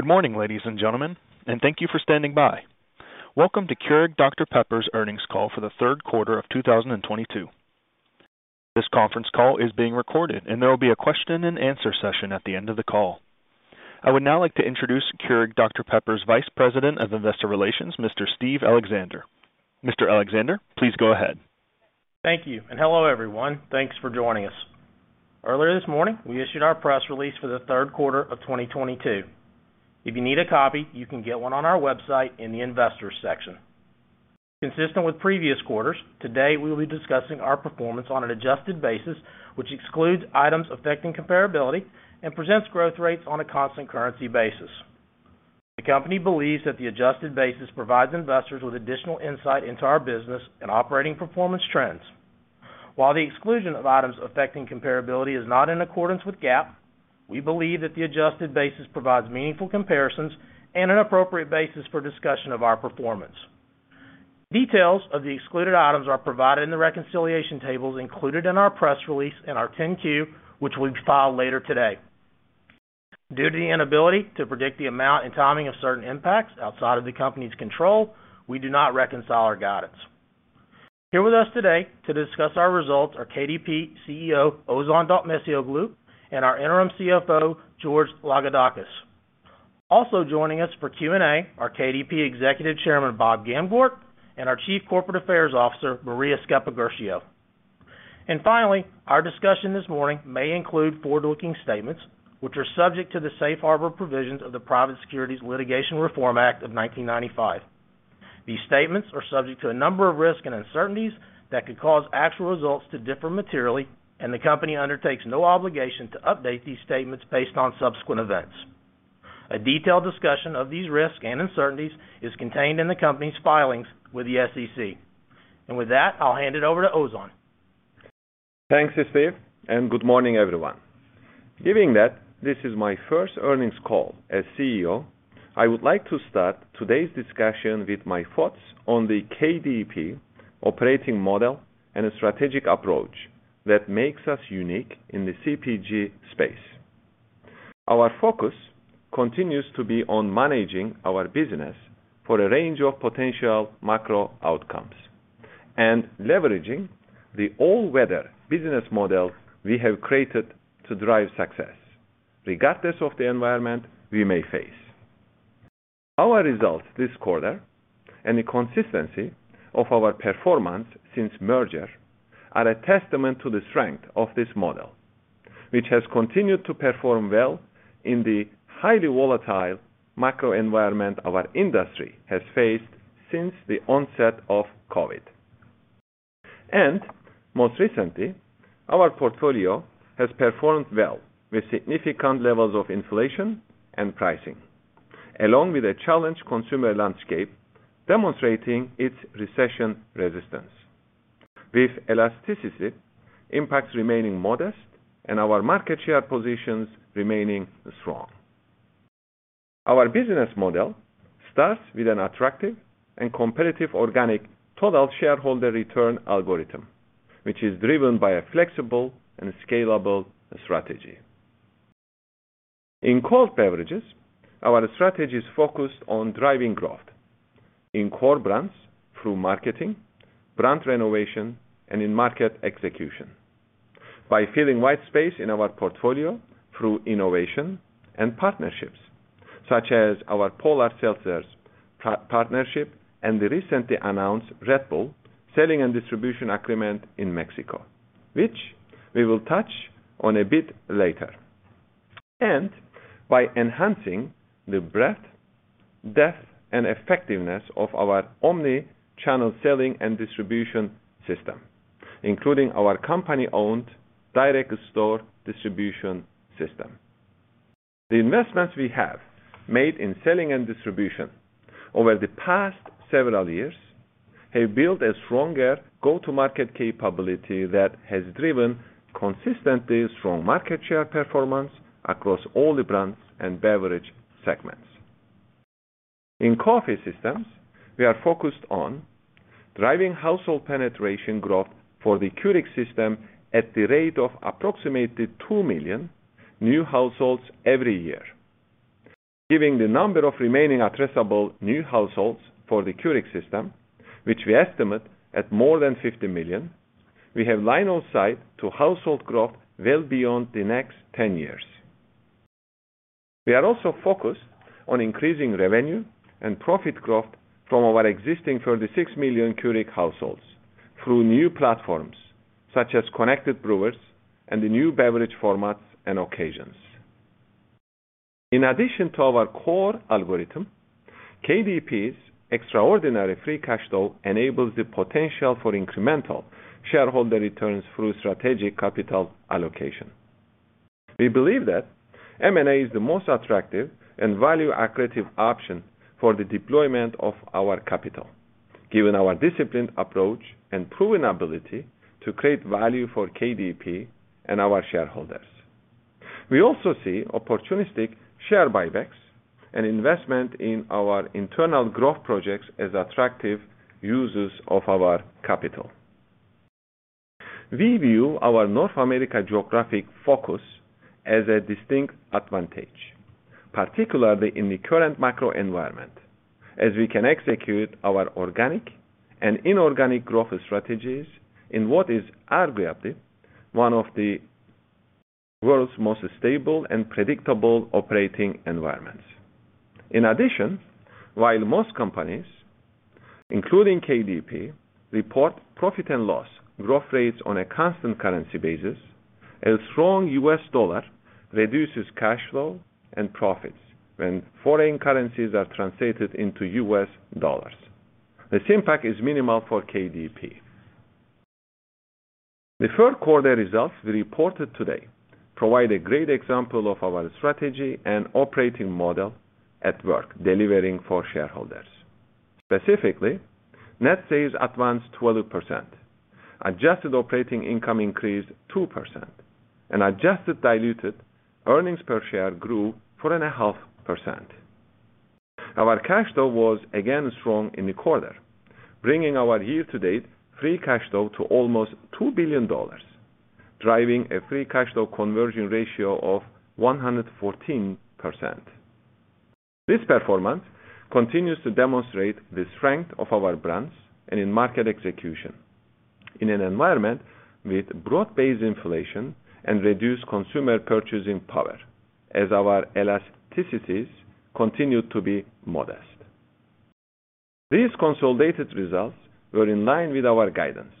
Good morning, ladies and gentlemen, and thank you for standing by. Welcome to Keurig Dr Pepper's earnings call for the third quarter of 2022. This conference call is being recorded, and there will be a question-and-answer session at the end of the call. I would now like to introduce Keurig Dr Pepper's Vice President of Investor Relations, Mr. Steve Alexander. Mr. Alexander, please go ahead. Thank you, and hello, everyone. Thanks for joining us. Earlier this morning, we issued our press release for the third quarter of 2022. If you need a copy, you can get one on our website in the investors section. Consistent with previous quarters, today we will be discussing our performance on an adjusted basis, which excludes items affecting comparability and presents growth rates on a constant currency basis. The company believes that the adjusted basis provides investors with additional insight into our business and operating performance trends. While the exclusion of items affecting comparability is not in accordance with GAAP, we believe that the adjusted basis provides meaningful comparisons and an appropriate basis for discussion of our performance. Details of the excluded items are provided in the reconciliation tables included in our press release in our 10-Q, which we've filed later today. Due to the inability to predict the amount and timing of certain impacts outside of the company's control, we do not reconcile our guidance. Here with us today to discuss our results are KDP CEO Ozan Dokmecioglu, and our Interim CFO, George Lagoudakis. Also joining us for Q&A are KDP Executive Chairman Bob Gamgort and our Chief Corporate Affairs Officer, Maria Sceppaguercio. Finally, our discussion this morning may include forward-looking statements which are subject to the safe harbor provisions of the Private Securities Litigation Reform Act of 1995. These statements are subject to a number of risks and uncertainties that could cause actual results to differ materially, and the company undertakes no obligation to update these statements based on subsequent events. A detailed discussion of these risks and uncertainties is contained in the company's filings with the SEC. With that, I'll hand it over to Ozan. Thanks, Steve, and good morning, everyone. Given that this is my first earnings call as CEO, I would like to start today's discussion with my thoughts on the KDP operating model and a strategic approach that makes us unique in the CPG space. Our focus continues to be on managing our business for a range of potential macro outcomes and leveraging the all-weather business model we have created to drive success regardless of the environment we may face. Our results this quarter and the consistency of our performance since merger are a testament to the strength of this model, which has continued to perform well in the highly volatile macro environment our industry has faced since the onset of COVID. Most recently, our portfolio has performed well with significant levels of inflation and pricing, along with a challenged consumer landscape demonstrating its recession resistance. With elasticity impacts remaining modest and our market share positions remaining strong. Our business model starts with an attractive and competitive organic total shareholder return algorithm, which is driven by a flexible and scalable strategy. In cold beverages, our strategy is focused on driving growth in core brands through marketing, brand renovation, and in-market execution by filling white space in our portfolio through innovation and partnerships, such as our Polar Seltzer partnership and the recently announced Red Bull selling and distribution agreement in Mexico, which we will touch on a bit later. By enhancing the breadth, depth, and effectiveness of our omni-channel selling and distribution system, including our company-owned direct store distribution system. The investments we have made in selling and distribution over the past several years have built a stronger go-to-market capability that has driven consistently strong market share performance across all the brands and beverage segments. In coffee systems, we are focused on driving household penetration growth for the Keurig system at the rate of approximately two million new households every year. Giving the number of remaining addressable new households for the Keurig system, which we estimate at more than 50 million, we have line of sight to household growth well beyond the next 10 years. We are also focused on increasing revenue and profit growth from our existing 36 million Keurig households through new platforms such as connected brewers and the new beverage formats and occasions. In addition to our core algorithm, KDP's extraordinary free cash flow enables the potential for incremental shareholder returns through strategic capital allocation. We believe that M&A is the most attractive and value accretive option for the deployment of our capital, given our disciplined approach and proven ability to create value for KDP and our shareholders. We also see opportunistic share buybacks and investment in our internal growth projects as attractive uses of our capital. We view our North America geographic focus as a distinct advantage, particularly in the current macro environment, as we can execute our organic and inorganic growth strategies in what is arguably one of the world's most stable and predictable operating environments. In addition, while most companies, including KDP, report profit and loss growth rates on a constant currency basis, a strong U.S. dollar reduces cash flow and profits when foreign currencies are translated into U.S. dollars. This impact is minimal for KDP. The third quarter results we reported today provide a great example of our strategy and operating model at work delivering for shareholders. Specifically, net sales advanced 12%. Adjusted operating income increased 2%, and adjusted diluted earnings per share grew 4.5%. Our cash flow was again strong in the quarter, bringing our year-to-date free cash flow to almost $2 billion, driving a free cash flow conversion ratio of 114%. This performance continues to demonstrate the strength of our brands and in market execution in an environment with broad-based inflation and reduced consumer purchasing power as our elasticities continue to be modest. These consolidated results were in line with our guidance,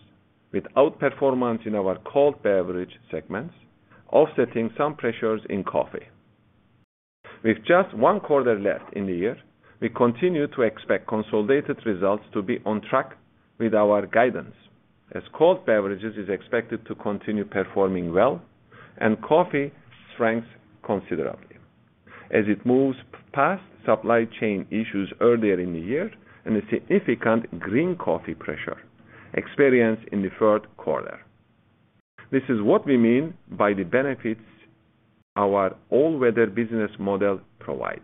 with outperformance in our cold beverage segments offsetting some pressures in coffee. With just one quarter left in the year, we continue to expect consolidated results to be on track with our guidance, as cold beverages is expected to continue performing well, and coffee strengths considerably as it moves past supply chain issues earlier in the year and a significant green coffee pressure experienced in the third quarter. This is what we mean by the benefits our all-weather business model provides,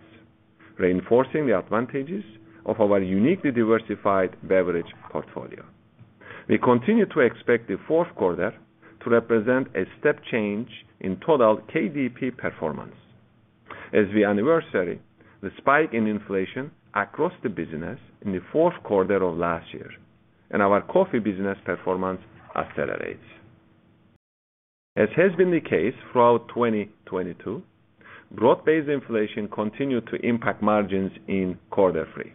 reinforcing the advantages of our uniquely diversified beverage portfolio. We continue to expect the fourth quarter to represent a step change in total KDP performance as we anniversary the spike in inflation across the business in the fourth quarter of last year and our coffee business performance accelerates. As has been the case throughout 2022, broad-based inflation continued to impact margins in quarter three,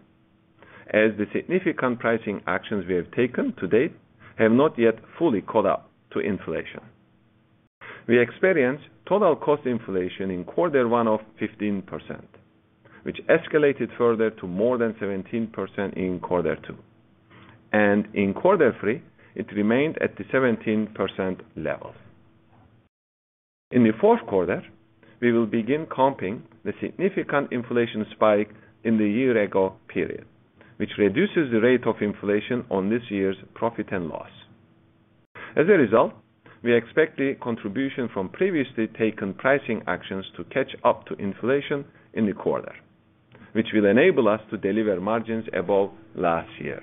as the significant pricing actions we have taken to date have not yet fully caught up to inflation. We experienced total cost inflation in quarter one of 15%, which escalated further to more than 17% in quarter two, and in quarter three it remained at the 17% level. In the fourth quarter, we will begin comping the significant inflation spike in the year-ago period, which reduces the rate of inflation on this year's profit and loss. As a result, we expect the contribution from previously taken pricing actions to catch up to inflation in the quarter, which will enable us to deliver margins above last year.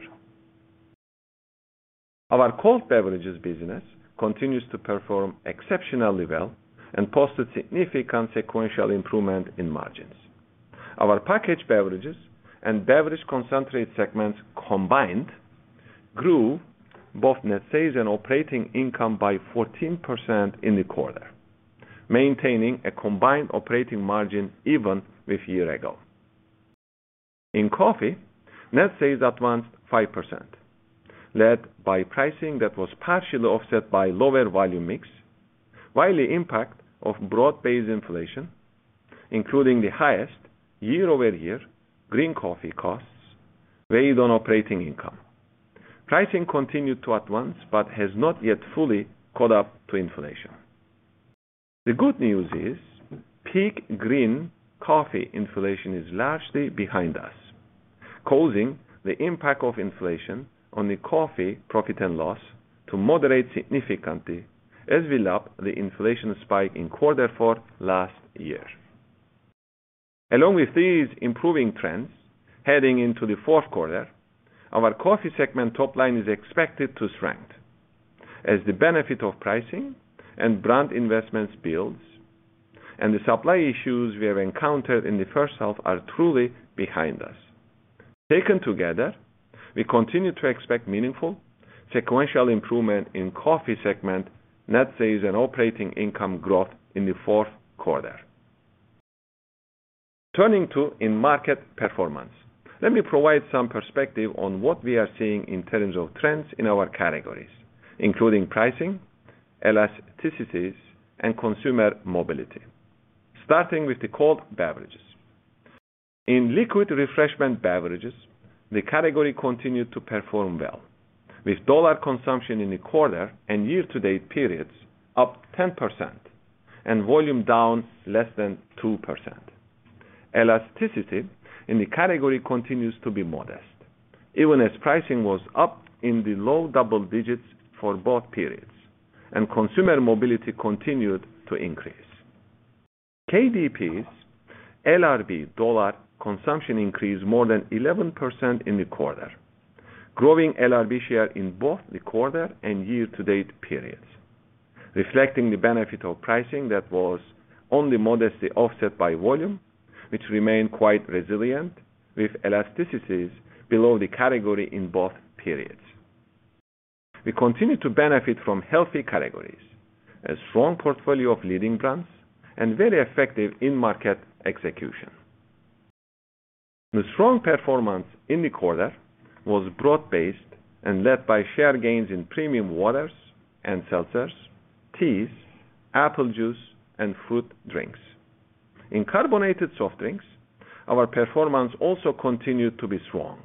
Our cold beverages business continues to perform exceptionally well and posted significant sequential improvement in margins. Our packaged beverages and beverage concentrate segments combined grew both net sales and operating income by 14% in the quarter, maintaining a combined operating margin even with year-ago. In coffee, net sales advanced 5%, led by pricing that was partially offset by lower volume mix, while the impact of broad-based inflation, including the highest year-over-year green coffee costs, weighed on operating income. Pricing continued to advance, but has not yet fully caught up to inflation. The good news is peak green coffee inflation is largely behind us, causing the impact of inflation on the coffee profit and loss to moderate significantly as we lap the inflation spike in quarter four last year. Along with these improving trends heading into the fourth quarter, our coffee segment top line is expected to strengthen as the benefit of pricing and brand investments builds, and the supply issues we have encountered in the first half are truly behind us. Taken together, we continue to expect meaningful sequential improvement in coffee segment net sales and operating income growth in the fourth quarter. Turning to in-market performance, let me provide some perspective on what we are seeing in terms of trends in our categories, including pricing, elasticities, and consumer mobility. Starting with the cold beverages. In liquid refreshment beverages, the category continued to perform well with dollar consumption in the quarter and year-to-date periods up 10% and volume down less than 2%. Elasticity in the category continues to be modest, even as pricing was up in the low double digits for both periods, and consumer mobility continued to increase. KDP's LRB dollar consumption increased more than 11% in the quarter, growing LRB share in both the quarter and year-to-date periods, reflecting the benefit of pricing that was only modestly offset by volume, which remained quite resilient, with elasticities below the category in both periods. We continue to benefit from healthy categories, a strong portfolio of leading brands, and very effective in-market execution. The strong performance in the quarter was broad-based and led by share gains in premium waters and seltzers, teas, apple juice, and fruit drinks. In carbonated soft drinks, our performance also continued to be strong,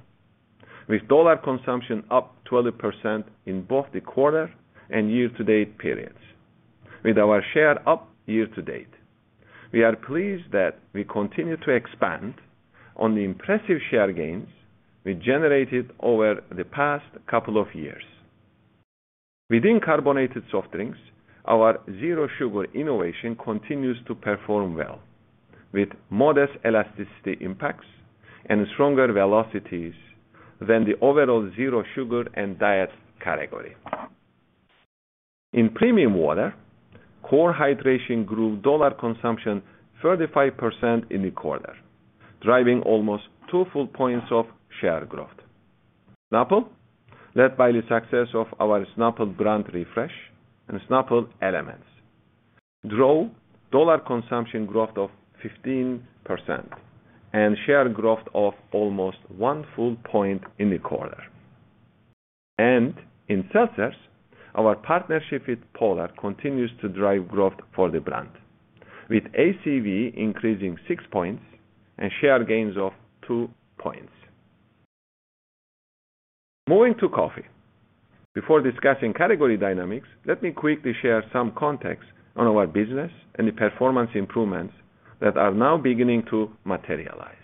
with dollar consumption up 12% in both the quarter and year-to-date periods. With our share up year to date, we are pleased that we continue to expand on the impressive share gains we generated over the past couple of years. Within carbonated soft drinks, our zero sugar innovation continues to perform well, with modest elasticity impacts and stronger velocities than the overall zero sugar and diet category. In premium water, CORE Hydration grew dollar consumption 35% in the quarter, driving almost two full points of share growth. Snapple, led by the success of our Snapple brand refresh and Snapple Elements, drove dollar consumption growth of 15% and share growth of almost one full point in the quarter. In seltzers, our partnership with Polar continues to drive growth for the brand, with ACV increasing six points and share gains of two points. Moving to coffee. Before discussing category dynamics, let me quickly share some context on our business and the performance improvements that are now beginning to materialize.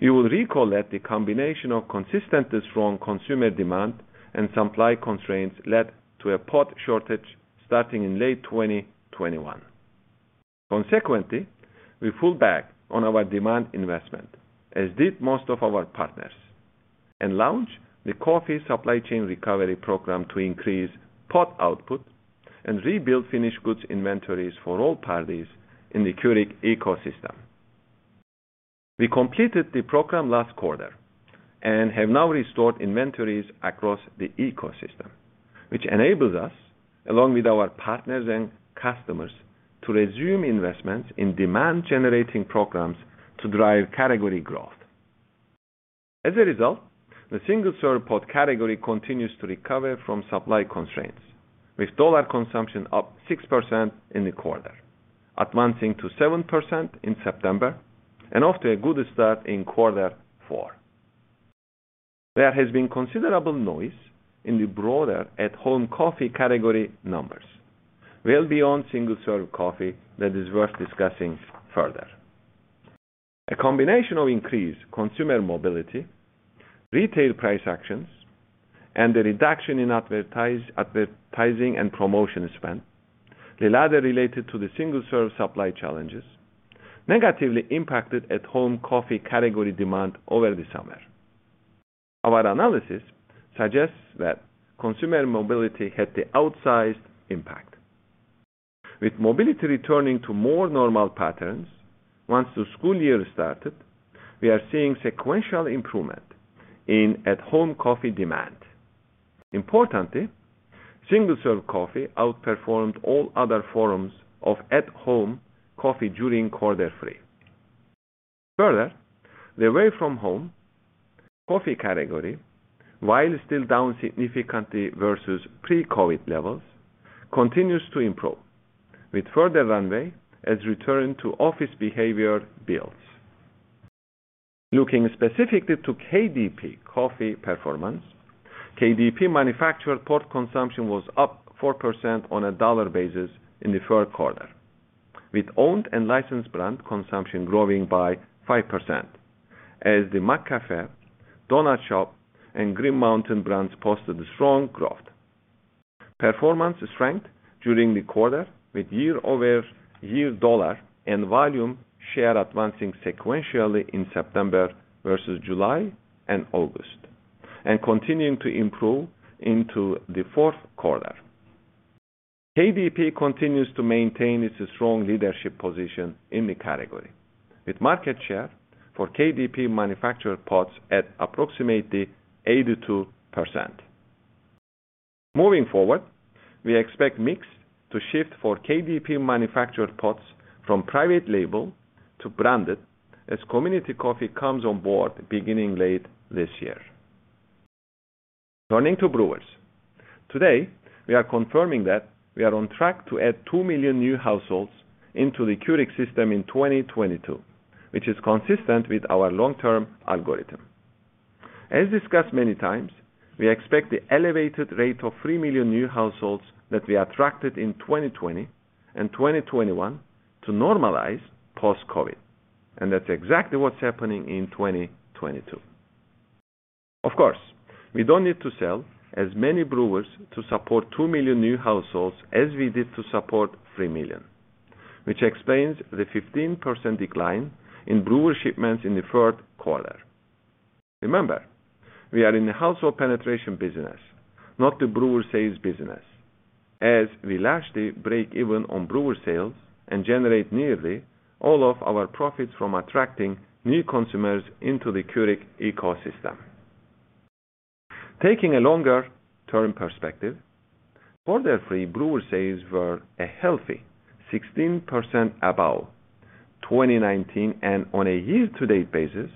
You will recall that the combination of consistently strong consumer demand and supply constraints led to a pod shortage starting in late 2021. Consequently, we pulled back on our demand investment, as did most of our partners, and launched the Coffee Supply Chain Recovery Program to increase pod output and rebuild finished goods inventories for all parties in the Keurig ecosystem. We completed the program last quarter and have now restored inventories across the ecosystem, which enables us, along with our partners and customers, to resume investments in demand-generating programs to drive category growth. As a result, the single-serve pod category continues to recover from supply constraints, with dollar consumption up 6% in the quarter, advancing to 7% in September, and off to a good start in quarter four. There has been considerable noise in the broader at-home coffee category numbers, well beyond single-serve coffee that is worth discussing further. A combination of increased consumer mobility, retail price actions, and the reduction in advertising and promotion spend, the latter related to the single-serve supply challenges, negatively impacted at-home coffee category demand over the summer. Our analysis suggests that consumer mobility had the outsized impact. With mobility returning to more normal patterns once the school year started, we are seeing sequential improvement in at-home coffee demand. Importantly, single-serve coffee outperformed all other forms of at-home coffee during quarter three. Further, the away from home coffee category, while still down significantly versus pre-COVID levels, continues to improve, with further runway as return to office behavior builds. Looking specifically to KDP coffee performance, KDP manufactured pod consumption was up 4% on a dollar basis in the third quarter, with owned and licensed brand consumption growing by 5%, as the McCafé, Donut Shop, and Green Mountain brands posted strong growth. Performance strengthened during the quarter with year-over-year dollar and volume share advancing sequentially in September versus July and August, and continuing to improve into the fourth quarter. KDP continues to maintain its strong leadership position in the category, with market share for KDP manufactured pods at approximately 82%. Moving forward, we expect mix to shift for KDP manufactured pods from private label to branded as Community Coffee comes on board beginning late this year. Turning to brewers. Today, we are confirming that we are on track to add two million new households into the Keurig system in 2022, which is consistent with our long-term algorithm. As discussed many times, we expect the elevated rate of three million new households that we attracted in 2020 and 2021 to normalize post-COVID. That's exactly what's happening in 2022. Of course, we don't need to sell as many brewers to support two million new households as we did to support three million, which explains the 15% decline in brewer shipments in the third quarter. Remember, we are in the household penetration business, not the brewer sales business, as we largely break even on brewer sales and generate nearly all of our profits from attracting new consumers into the Keurig ecosystem. Taking a longer-term perspective, quarter three brewer sales were a healthy 16% above 2019, and on a year-to-date basis,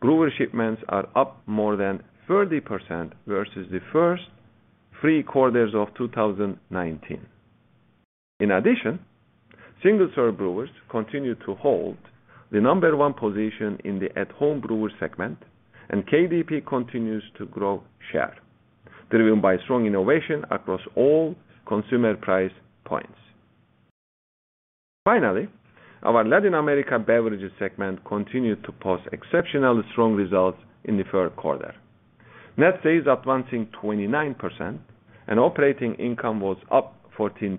brewer shipments are up more than 30% versus the first three quarters of 2019. In addition, single-serve brewers continue to hold the No. One position in the at-home brewer segment, and KDP continues to grow share, driven by strong innovation across all consumer price points. Finally, our Latin America beverages segment continued to post exceptionally strong results in the third quarter. Net sales advancing 29% and operating income was up 14%.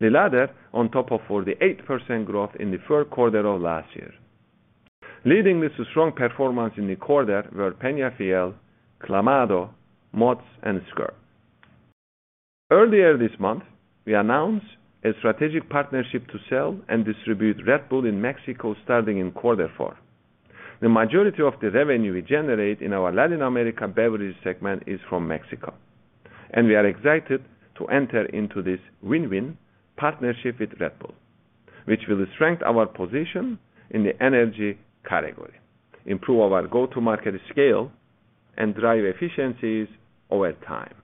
The latter on top of 48% growth in the third quarter of last year. Leading this strong performance in the quarter were Peñafiel, Clamato, Mott's, and Squirt. Earlier this month, we announced a strategic partnership to sell and distribute Red Bull in Mexico starting in quarter four. The majority of the revenue we generate in our Latin America beverage segment is from Mexico, and we are excited to enter into this win-win partnership with Red Bull, which will strengthen our position in the energy category, improve our go-to-market scale, and drive efficiencies over time.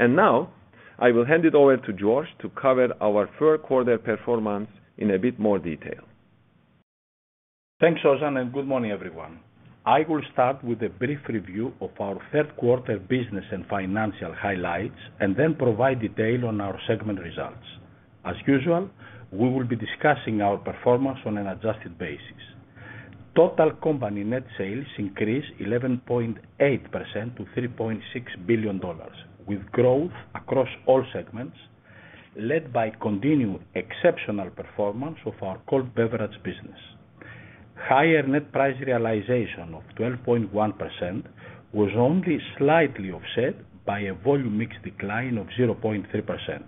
Now I will hand it over to George to cover our third quarter performance in a bit more detail. Thanks, Ozan, and good morning, everyone. I will start with a brief review of our third quarter business and financial highlights, and then provide detail on our segment results. As usual, we will be discussing our performance on an adjusted basis. Total company net sales increased 11.8% to $3.6 billion, with growth across all segments led by continued exceptional performance of our cold beverage business. Higher net price realization of 12.1% was only slightly offset by a volume mix decline of 0.3%.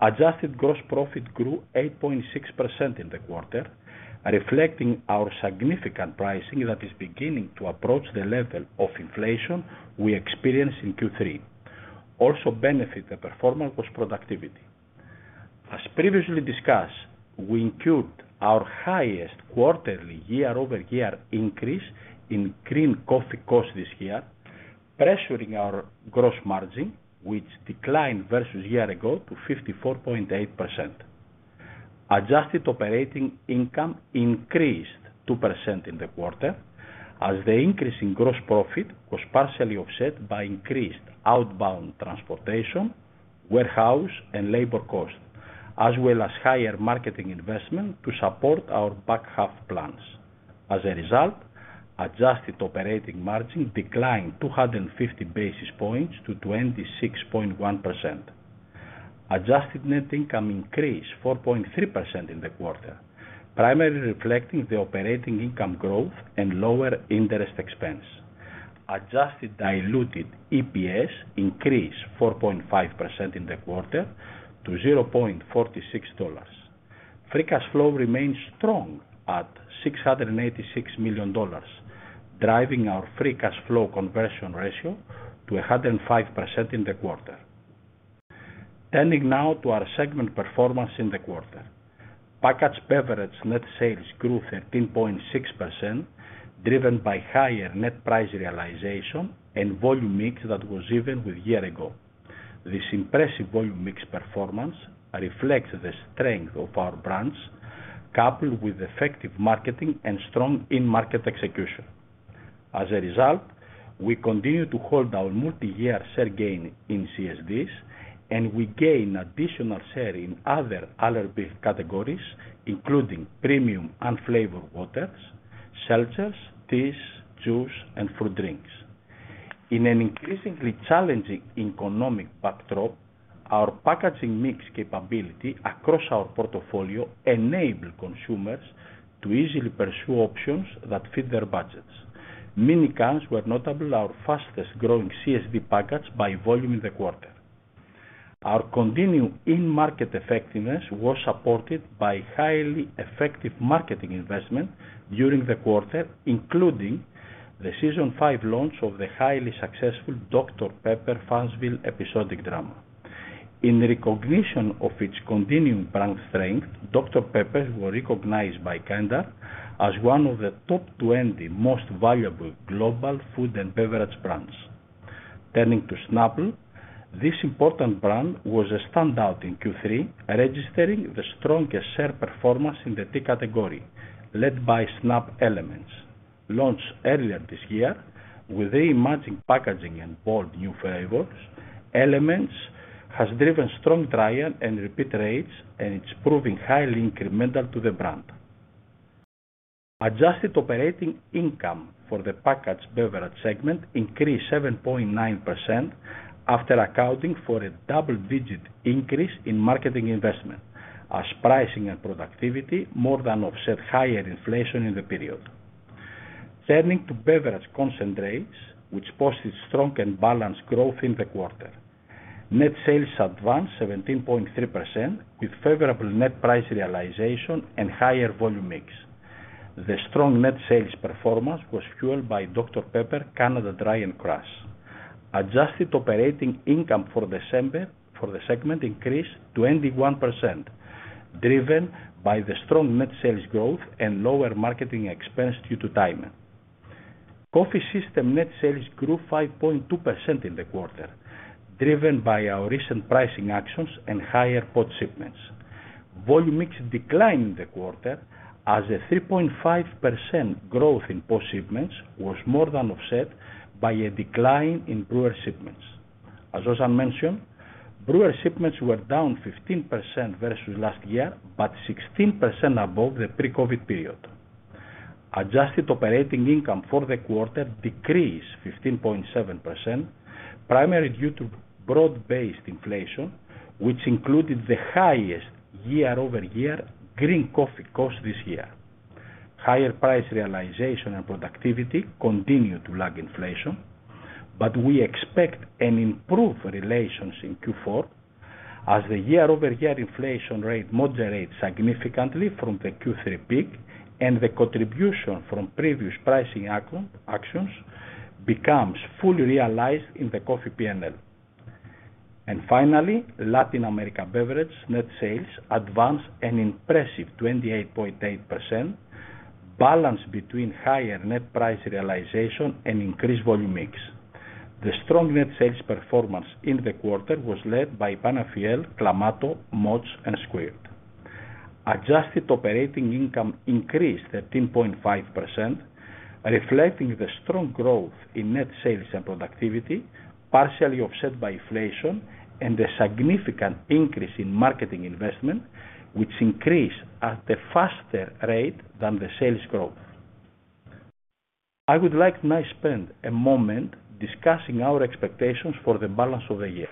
Adjusted gross profit grew 8.6% in the quarter, reflecting our significant pricing that is beginning to approach the level of inflation we experienced in Q3. Also benefiting the performance was productivity. As previously discussed, we incurred our highest quarterly year-over-year increase in green coffee costs this year, pressuring our gross margin, which declined versus year ago to 54.8%. Adjusted operating income increased 2% in the quarter as the increase in gross profit was partially offset by increased outbound transportation, warehouse, and labor costs, as well as higher marketing investment to support our back half plans. As a result, adjusted operating margin declined 250 basis points to 26.1%. Adjusted net income increased 4.3% in the quarter, primarily reflecting the operating income growth and lower interest expense. Adjusted diluted EPS increased 4.5% in the quarter to $0.46. Free cash flow remains strong at $686 million, driving our free cash flow conversion ratio to 105% in the quarter. Turning now to our segment performance in the quarter. Packaged beverage net sales grew 13.6%, driven by higher net price realization and volume mix that was even with year ago. This impressive volume mix performance reflects the strength of our brands, coupled with effective marketing and strong in-market execution. As a result, we continue to hold our multi-year share gain in CSDs, and we gain additional share in other big categories, including premium unflavored waters, seltzers, teas, juice, and fruit drinks. In an increasingly challenging economic backdrop, our packaging mix capability across our portfolio enable consumers to easily pursue options that fit their budgets. Mini cans were notably our fastest growing CSD package by volume in the quarter. Our continued in-market effectiveness was supported by highly effective marketing investment during the quarter, including the season 5 launch of the highly successful Dr Pepper Fansville episodic drama. In recognition of its continuing brand strength, Dr Pepper was recognized by Interbrand as one of the top 20 most valuable global food and beverage brands. Turning to Snapple, this important brand was a standout in Q3, registering the strongest share performance in the tea category, led by Snapple Elements. Launched earlier this year with reimagined packaging and bold new flavors, Elements has driven strong trial and repeat rates, and it's proving highly incremental to the brand. Adjusted operating income for the packaged beverage segment increased 7.9% after accounting for a double-digit increase in marketing investment as pricing and productivity more than offset higher inflation in the period. Turning to beverage concentrates, which posted strong and balanced growth in the quarter. Net sales advanced 17.3% with favorable net price realization and higher volume mix. The strong net sales performance was fueled by Dr Pepper, Canada Dry, and Crush. Adjusted operating income for December for the segment increased 21%, driven by the strong net sales growth and lower marketing expense due to timing. Coffee system net sales grew 5.2% in the quarter, driven by our recent pricing actions and higher pod shipments. Volume mix declined in the quarter as a 3.5% growth in pod shipments was more than offset by a decline in brewer shipments. As Ozan mentioned, brewer shipments were down 15% versus last year, but 16% above the pre-COVID period. Adjusted operating income for the quarter decreased 15.7%, primarily due to broad-based inflation, which included the highest year-over-year green coffee cost this year. Higher price realization and productivity continued to lag inflation, but we expect an improved realization in Q4 as the year-over-year inflation rate moderates significantly from the Q3 peak and the contribution from previous pricing actions becomes fully realized in the coffee P&L. Finally, Latin America beverage net sales advanced an impressive 28.8% balanced between higher net price realization and increased volume mix. The strong net sales performance in the quarter was led by Peñafiel, Clamato, Mott's, and Squirt. Adjusted operating income increased 13.5%, reflecting the strong growth in net sales and productivity, partially offset by inflation and a significant increase in marketing investment, which increased at a faster rate than the sales growth. I would like now spend a moment discussing our expectations for the balance of the year.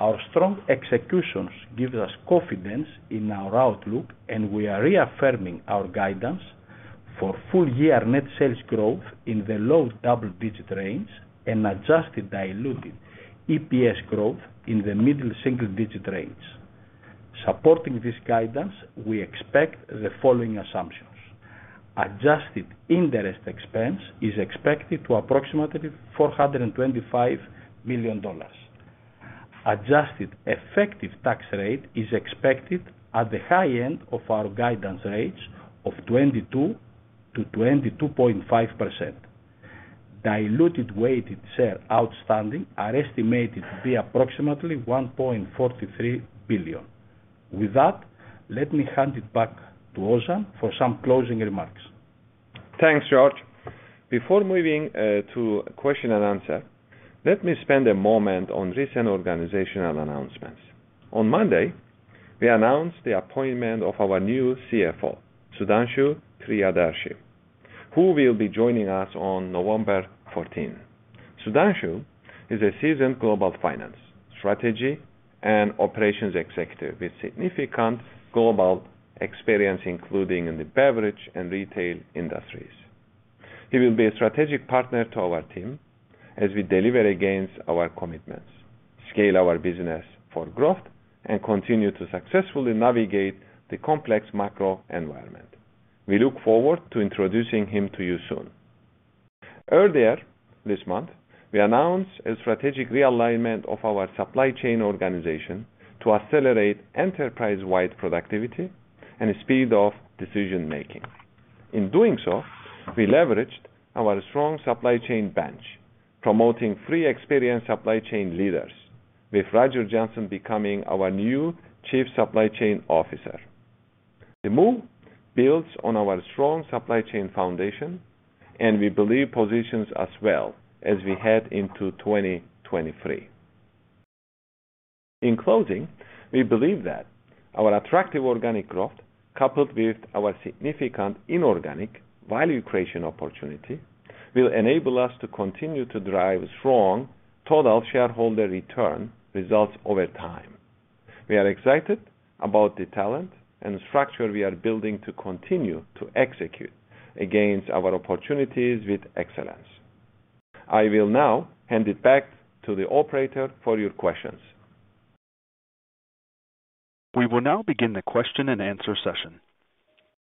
Our strong executions gives us confidence in our outlook, and we are reaffirming our guidance for full year net sales growth in the low double-digit range and adjusted diluted EPS growth in the middle single digit range. Supporting this guidance, we expect the following assumptions. Adjusted interest expense is expected to approximately $425 million. Adjusted effective tax rate is expected at the high end of our guidance range of 22%-22.5%. Diluted weighted share outstanding are estimated to be approximately 1.43 billion. With that, let me hand it back to Ozan for some closing remarks. Thanks, George. Before moving to question and answer, let me spend a moment on recent organizational announcements. On Monday, we announced the appointment of our new CFO, Sudhanshu Priyadarshi, who will be joining us on November 14th. Sudhanshu is a seasoned global finance strategy and operations executive with significant global experience, including in the beverage and retail industries. He will be a strategic partner to our team as we deliver against our commitments, scale our business for growth, and continue to successfully navigate the complex macro environment. We look forward to introducing him to you soon. Earlier this month, we announced a strategic realignment of our supply chain organization to accelerate enterprise-wide productivity and speed of decision-making. In doing so, we leveraged our strong supply chain bench, promoting three experienced supply chain leaders, with Roger Johnson becoming our new Chief Supply Chain Officer. The move builds on our strong supply chain foundation, and we believe positions us well as we head into 2023. In closing, we believe that our attractive organic growth, coupled with our significant inorganic value creation opportunity, will enable us to continue to drive strong total shareholder return results over time. We are excited about the talent and structure we are building to continue to execute against our opportunities with excellence. I will now hand it back to the operator for your questions. We will now begin the question-and-answer session.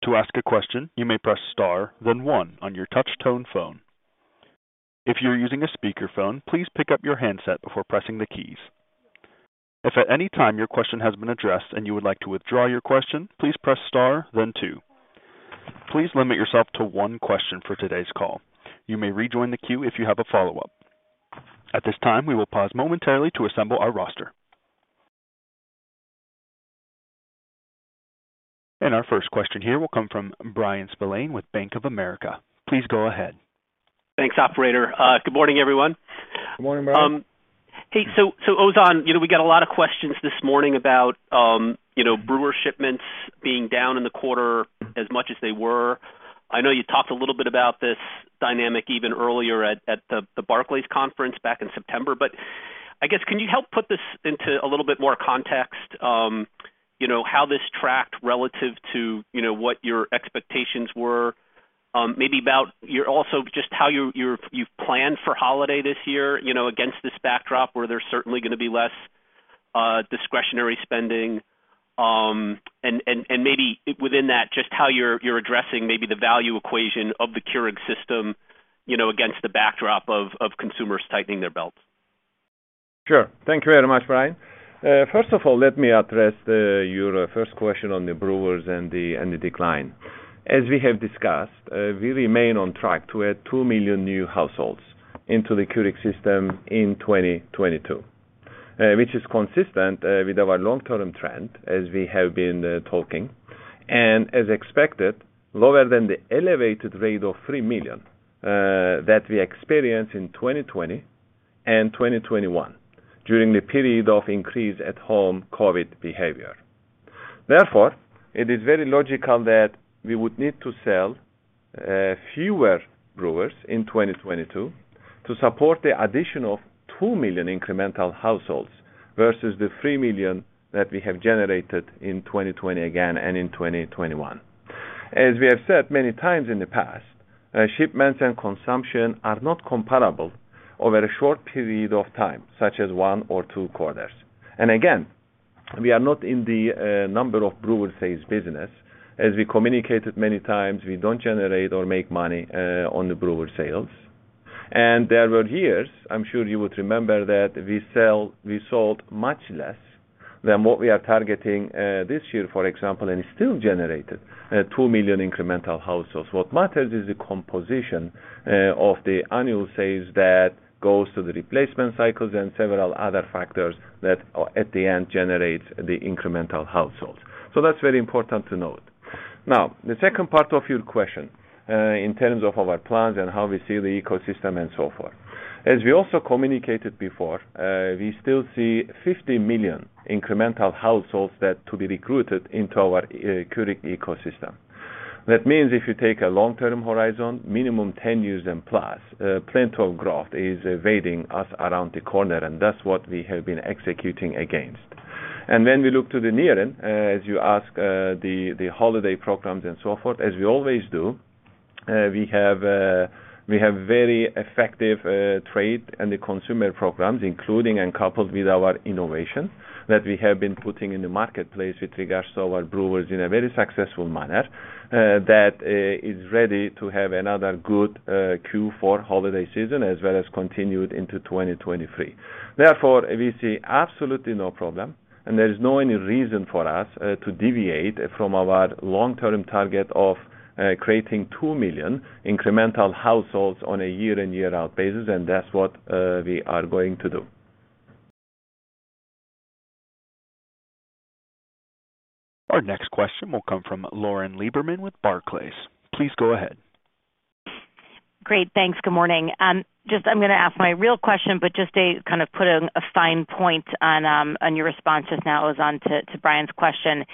To ask a question, you may press star, then one on your touch tone phone. If you're using a speakerphone, please pick up your handset before pressing the keys. If at any time your question has been addressed and you would like to withdraw your question, please press star then two. Please limit yourself to one question for today's call. You may rejoin the queue if you have a follow-up. At this time, we will pause momentarily to assemble our roster. Our first question here will come from Bryan Spillane with Bank of America. Please go ahead. Thanks, operator. Good morning, everyone. Good morning, Bryan. Hey, Ozan, you know, we got a lot of questions this morning about, you know, brewer shipments being down in the quarter as much as they were. I know you talked a little bit about this dynamic even earlier at the Barclays conference back in September. I guess can you help put this into a little bit more context, you know, how this tracked relative to, you know, what your expectations were, maybe also about just how you've planned for holiday this year, you know, against this backdrop where there's certainly gonna be less discretionary spending, and maybe within that, just how you're addressing the value equation of the Keurig system, you know, against the backdrop of consumers tightening their belts? Sure. Thank you very much, Bryan. First of all, let me address your first question on the brewers and the decline. As we have discussed, we remain on track to add two million new households into the Keurig system in 2022. Which is consistent with our long-term trend as we have been talking and as expected, lower than the elevated rate of three million that we experienced in 2020 and 2021 during the period of increased at-home COVID behavior. Therefore, it is very logical that we would need to sell fewer brewers in 2022 to support the addition of two million incremental households versus the three million that we have generated in 2020 again and in 2021. As we have said many times in the past, shipments and consumption are not comparable over a short period of time, such as one or two quarters. Again, we are not in the number of brewer sales business. As we communicated many times, we don't generate or make money on the brewer sales. There were years, I'm sure you would remember, that we sold much less than what we are targeting this year, for example, and it still generated two million incremental households. What matters is the composition of the annual sales that goes to the replacement cycles and several other factors that at the end generate the incremental households. That's very important to note. Now, the second part of your question, in terms of our plans and how we see the ecosystem and so forth. As we also communicated before, we still see 50 million incremental households that to be recruited into our Keurig ecosystem. That means if you take a long-term horizon, minimum 10 years and plus, plenty of growth is awaiting us around the corner, and that's what we have been executing against. Then we look to the near end, as you ask, the holiday programs and so forth, as we always do, we have very effective trade and the consumer programs, including and coupled with our innovation that we have been putting in the marketplace with regards to our brewers in a very successful manner, that is ready to have another good Q4 holiday season as well as continued into 2023. Therefore, we see absolutely no problem and there is no any reason for us to deviate from our long-term target of creating two million incremental households on a year in year out basis, and that's what we are going to do. Our next question will come from Lauren Lieberman with Barclays. Please go ahead. Great. Thanks. Good morning. Just I'm gonna ask my real question, but just to kind of put a fine point on your response just now, Ozan, to Bryan's question.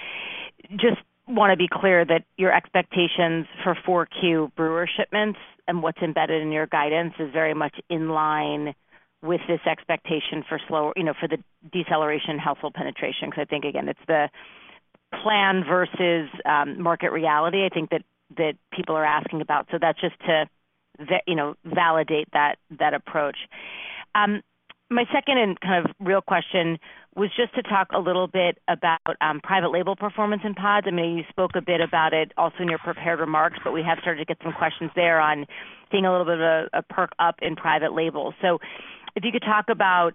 Just wanna be clear that your expectations for 4Q brewer shipments and what's embedded in your guidance is very much in line with this expectation for slow, you know, for the deceleration household penetration, 'cause I think, again, it's the plan versus market reality, I think that people are asking about. That's just to validate, you know, that approach. My second and kind of real question was just to talk a little bit about private label performance in pods. I mean, you spoke a bit about it also in your prepared remarks, but we have started to get some questions there on seeing a little bit of a perk up in private label. So if you could talk about,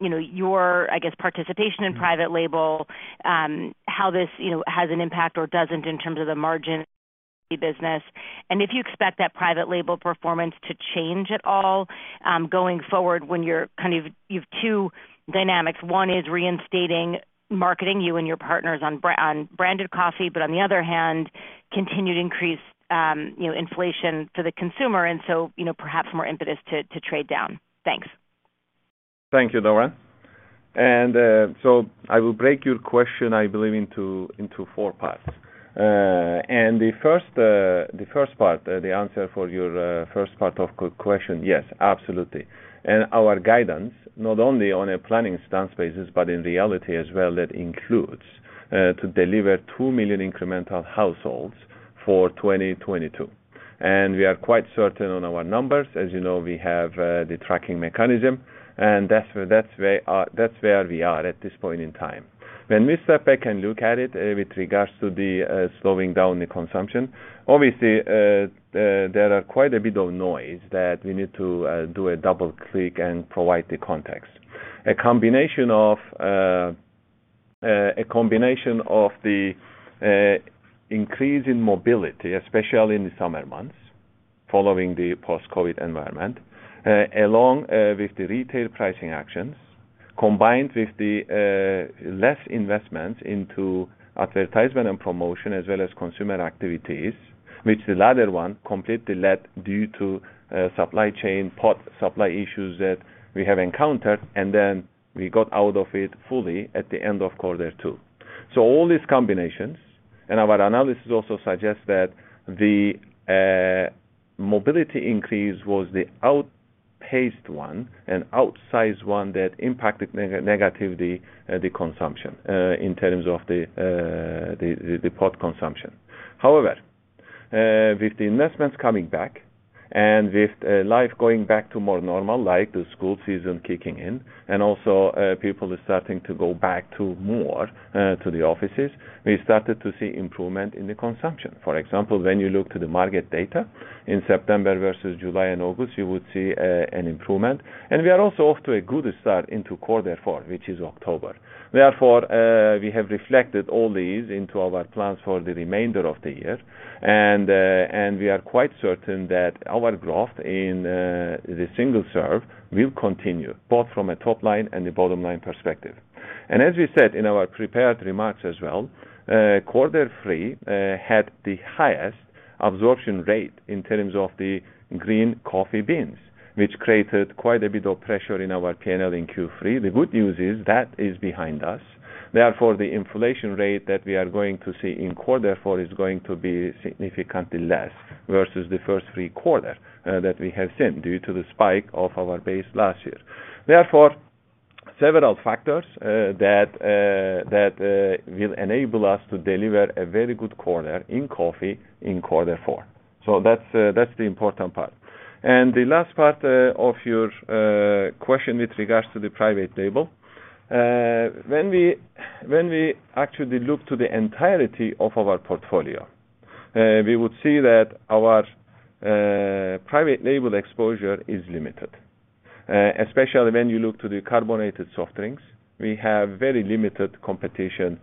you know, your, I guess, participation in private label, how this, you know, has an impact or doesn't in terms of the margin business, and if you expect that private label performance to change at all, going forward when you have two dynamics. One is reinstating marketing, you and your partners on branded coffee, but on the other hand, continued increase, you know, inflation for the consumer. You know, perhaps more impetus to trade down? Thanks. Thank you, Lauren. I will break your question, I believe, into four parts. The first part, the answer for your first part of question, yes, absolutely. Our guidance, not only on a planning stance basis, but in reality as well, that includes to deliver two million incremental households for 2022. We are quite certain on our numbers. As you know, we have the tracking mechanism, and that's where we are at this point in time. When we step back and look at it, with regards to the slowing down the consumption, obviously, there are quite a bit of noise that we need to do a double click and provide the context. A combination of the increase in mobility, especially in the summer months following the post-COVID environment, along with the retail pricing actions, combined with the less investment into advertisement and promotion, as well as consumer activities, which the latter one completely lapsed due to supply chain pod supply issues that we have encountered, and then we got out of it fully at the end of quarter two. All these combinations and our analysis also suggests that the mobility increase was the outsized one that impacted negatively the consumption in terms of the pod consumption. However, with the investments coming back and with life going back to more normal, like the school season kicking in, and also people are starting to go back to more to the offices, we started to see improvement in the consumption. For example, when you look to the market data in September versus July and August, you would see an improvement. We are also off to a good start into quarter four, which is October. Therefore, we have reflected all these into our plans for the remainder of the year. We are quite certain that our growth in the single serve will continue, both from a top line and a bottom line perspective. As we said in our prepared remarks as well, quarter three had the highest absorption rate in terms of the green coffee beans, which created quite a bit of pressure in our P&L in Q3. The good news is that is behind us. Therefore, the inflation rate that we are going to see in quarter four is going to be significantly less versus the first three quarter that we have seen due to the spike of our base last year. Therefore, several factors that will enable us to deliver a very good quarter in coffee in quarter four. That's the important part. The last part of your question with regards to the private label. When we actually look to the entirety of our portfolio, we would see that our private label exposure is limited. Especially when you look to the carbonated soft drinks. We have very limited competition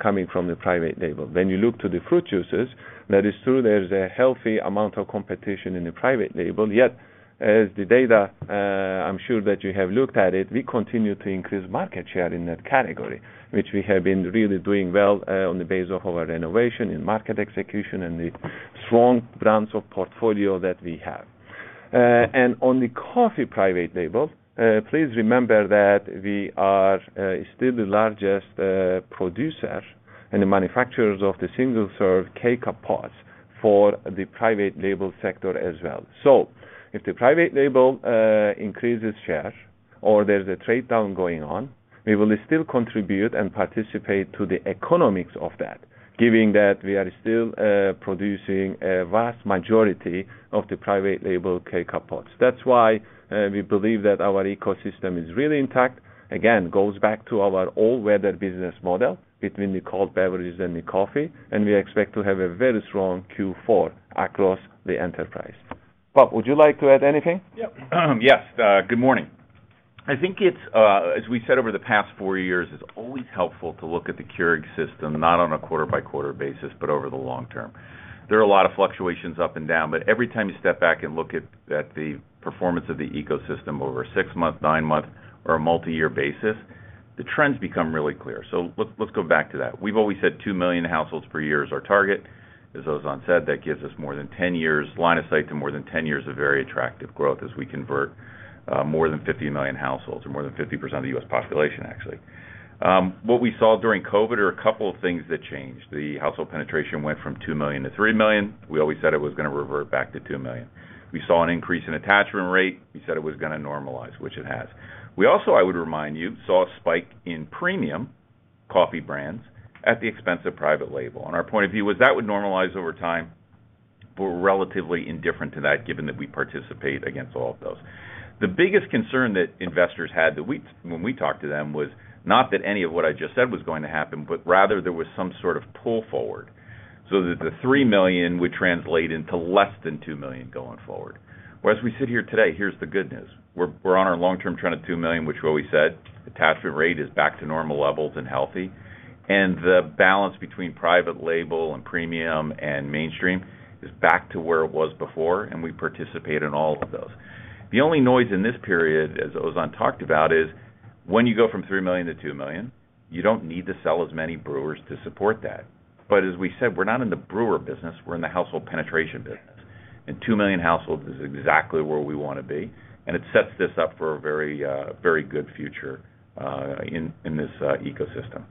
coming from the private label. When you look to the fruit juices, that is true, there's a healthy amount of competition in the private label. Yet, as the data, I'm sure that you have looked at it, we continue to increase market share in that category, which we have been really doing well on the basis of our innovation in market execution and the strong brands of portfolio that we have. On the coffee private label, please remember that we are still the largest producer and the manufacturers of the single serve K-Cup pods for the private label sector as well. If the private label increases share or there's a trade-down going on, we will still contribute and participate to the economics of that, given that we are still producing a vast majority of the private label K-Cup pods. That's why we believe that our ecosystem is really intact. Again, goes back to our all-weather business model between the cold beverages and the coffee, and we expect to have a very strong Q4 across the enterprise. Bob, would you like to add anything? Yes, good morning. I think it's, as we said over the past four years, it's always helpful to look at the Keurig system not on a quarter-by-quarter basis, but over the long term. There are a lot of fluctuations up and down, but every time you step back and look at the performance of the ecosystem over a six-month, nine-month, or a multi-year basis, the trends become really clear. Let's go back to that. We've always said two million households per year is our target. As Ozan said, that gives us more than 10 years line of sight to more than 10 years of very attractive growth as we convert more than 50 million households or more than 50% of the U.S. population actually. What we saw during COVID are a couple of things that changed. The household penetration went from two million to three million. We always said it was gonna revert back to two million. We saw an increase in attachment rate. We said it was gonna normalize, which it has. We also, I would remind you, saw a spike in premium coffee brands at the expense of private label, and our point of view was that would normalize over time. We're relatively indifferent to that, given that we participate against all of those. The biggest concern that investors had, when we talked to them, was not that any of what I just said was going to happen, but rather there was some sort of pull forward so that the three million would translate into less than two million going forward. Whereas we sit here today, here's the good news. We're on our long-term trend of two million, which we always said. Attachment rate is back to normal levels and healthy. The balance between private label and premium and mainstream is back to where it was before, and we participate in all of those. The only noise in this period, as Ozan talked about, is when you go from three million to two million, you don't need to sell as many brewers to support that. As we said, we're not in the brewer business, we're in the household penetration business, and two million households is exactly where we wanna be, and it sets this up for a very, very good future in this ecosystem.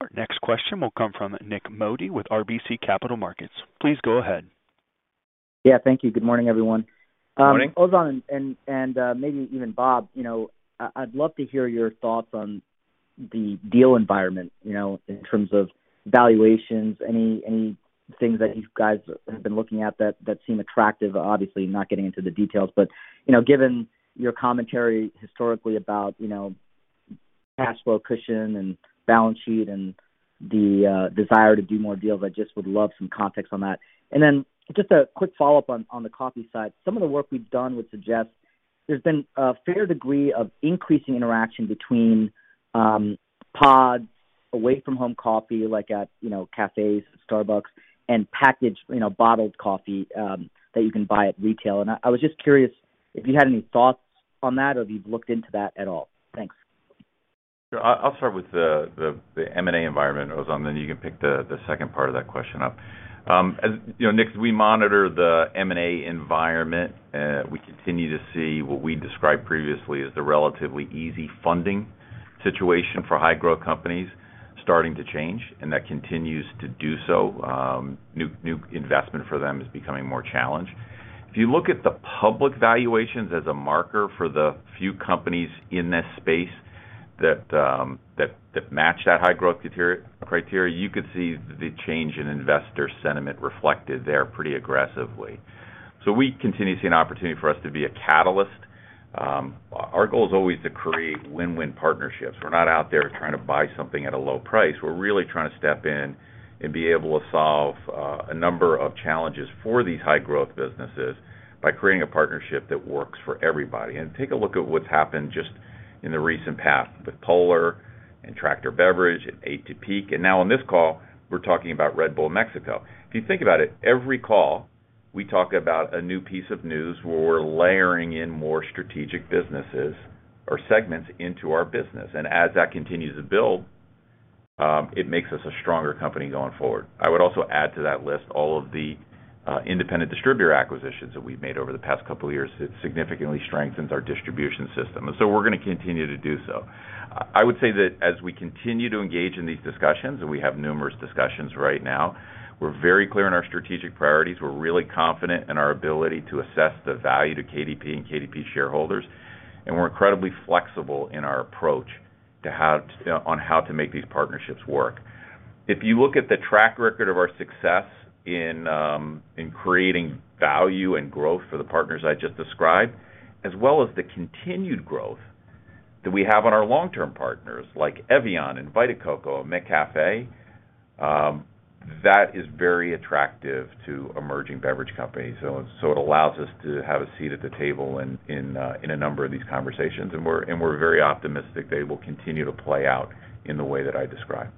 Our next question will come from Nik Modi with RBC Capital Markets. Please go ahead. Yeah, thank you. Good morning, everyone. Morning. Ozan and maybe even Bob, you know, I'd love to hear your thoughts on the deal environment, you know, in terms of valuations, any things that you guys have been looking at that seem attractive. Obviously, not getting into the details, but, you know, given your commentary historically about, you know, cash flow cushion and balance sheet and the desire to do more deals, I just would love some context on that. Then just a quick follow-up on the coffee side. Some of the work we've done. There's been a fair degree of increasing interaction between pods away from home coffee like at, you know, cafes, Starbucks, and packaged, you know, bottled coffee that you can buy at retail. I was just curious if you had any thoughts on that or if you've looked into that at all? Thanks. I'll start with the M&A environment, Ozan, then you can pick the second part of that question up. As you know, Nik, as we monitor the M&A environment, we continue to see what we described previously as the relatively easy funding situation for high-growth companies starting to change, and that continues to do so. New investment for them is becoming more challenged. If you look at the public valuations as a marker for the few companies in this space that match that high growth criteria, you could see the change in investor sentiment reflected there pretty aggressively. We continue to see an opportunity for us to be a catalyst. Our goal is always to create win-win partnerships. We're not out there trying to buy something at a low price. We're really trying to step in and be able to solve a number of challenges for these high growth businesses by creating a partnership that works for everybody. Take a look at what's happened just in the recent past with Polar Beverages and Tractor Beverage Company and Atypique. Now on this call, we're talking about Red Bull Mexico. If you think about it, every call, we talk about a new piece of news where we're layering in more strategic businesses or segments into our business. As that continues to build, it makes us a stronger company going forward. I would also add to that list all of the independent distributor acquisitions that we've made over the past couple of years. It significantly strengthens our distribution system. We're gonna continue to do so. I would say that as we continue to engage in these discussions, and we have numerous discussions right now, we're very clear in our strategic priorities. We're really confident in our ability to assess the value to KDP and KDP shareholders, and we're incredibly flexible in our approach to how to make these partnerships work. If you look at the track record of our success in creating value and growth for the partners I just described, as well as the continued growth that we have on our long-term partners like Evian, Vita Coco, McCafé, that is very attractive to emerging beverage companies. It allows us to have a seat at the table in a number of these conversations, and we're very optimistic they will continue to play out in the way that I described.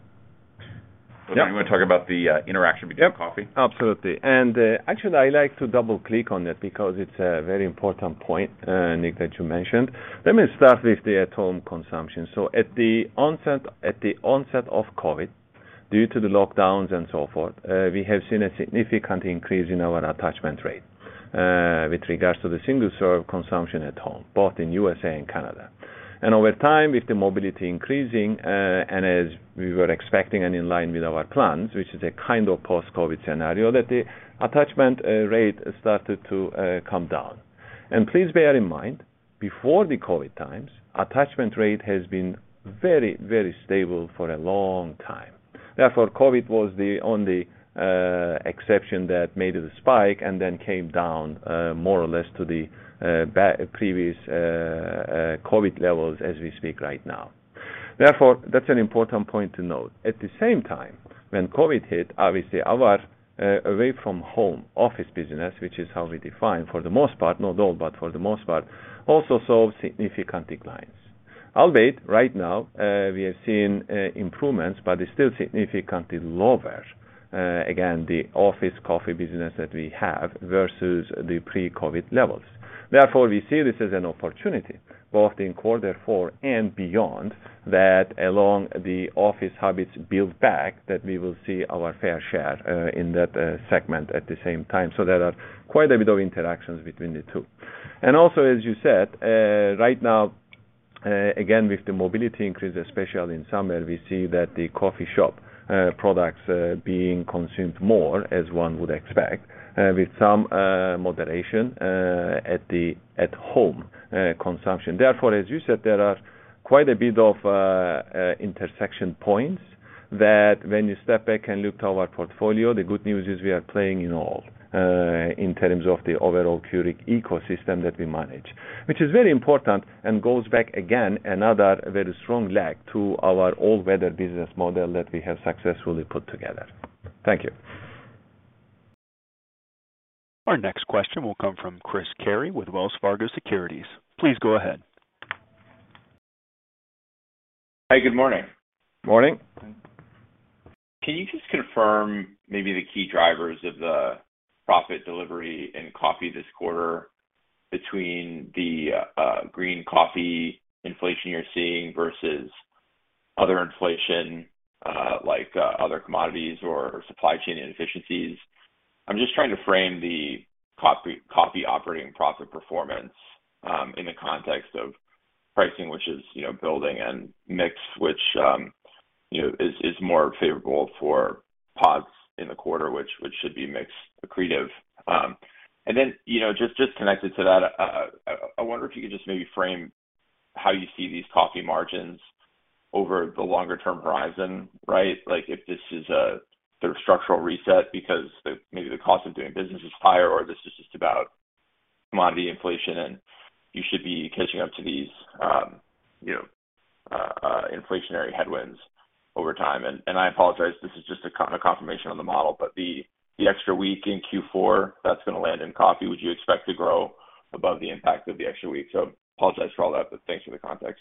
Ozan, do you want to talk about the interaction between coffee? Yep, absolutely. Actually, I like to double-click on that because it's a very important point, Nick, that you mentioned. Let me start with the at-home consumption. At the onset of COVID, due to the lockdowns and so forth, we have seen a significant increase in our attachment rate with regards to the single-serve consumption at home, both in USA and Canada. Over time, with the mobility increasing, and as we were expecting and in line with our plans, which is a kind of post-COVID scenario, that the attachment rate started to come down. Please bear in mind, before the COVID times, attachment rate has been very, very stable for a long time. Therefore, COVID was the only exception that made it a spike and then came down more or less to the previous COVID levels as we speak right now. Therefore, that's an important point to note. At the same time, when COVID hit, obviously our away from home office business, which is how we define for the most part, not all, but for the most part, also saw significant declines. Albeit right now, we have seen improvements, but it's still significantly lower, again, the office coffee business that we have versus the pre-COVID levels. Therefore, we see this as an opportunity both in quarter four and beyond that as the office habits build back, that we will see our fair share in that segment at the same time. There are quite a bit of interactions between the two. As you said, right now, again, with the mobility increase, especially in summer, we see that the coffee shop products are being consumed more, as one would expect, with some moderation at-home consumption. Therefore, as you said, there are quite a bit of intersection points that when you step back and look to our portfolio, the good news is we are playing in all in terms of the overall Keurig ecosystem that we manage. Which is very important and goes back again, another very strong leg to our all-weather business model that we have successfully put together. Thank you. Our next question will come from Chris Carey with Wells Fargo Securities. Please go ahead. Hey, good morning. Morning. Can you just confirm maybe the key drivers of the profit delivery in coffee this quarter between the green coffee inflation you're seeing versus other inflation like other commodities or supply chain inefficiencies? I'm just trying to frame the coffee operating profit performance in the context of pricing, which is, you know, building and mix, which, you know, is more favorable for pods in the quarter, which should be mix accretive. You know, just connected to that, I wonder if you could just maybe frame how you see these coffee margins over the longer term horizon, right? Like if this is a sort of structural reset because maybe the cost of doing business is higher or this is just about commodity inflation and you should be catching up to these, inflationary headwinds over time. I apologize, this is just a confirmation on the model, but the extra week in Q4 that's gonna land in coffee, would you expect to grow above the impact of the extra week? Apologize for all that, but thanks for the context.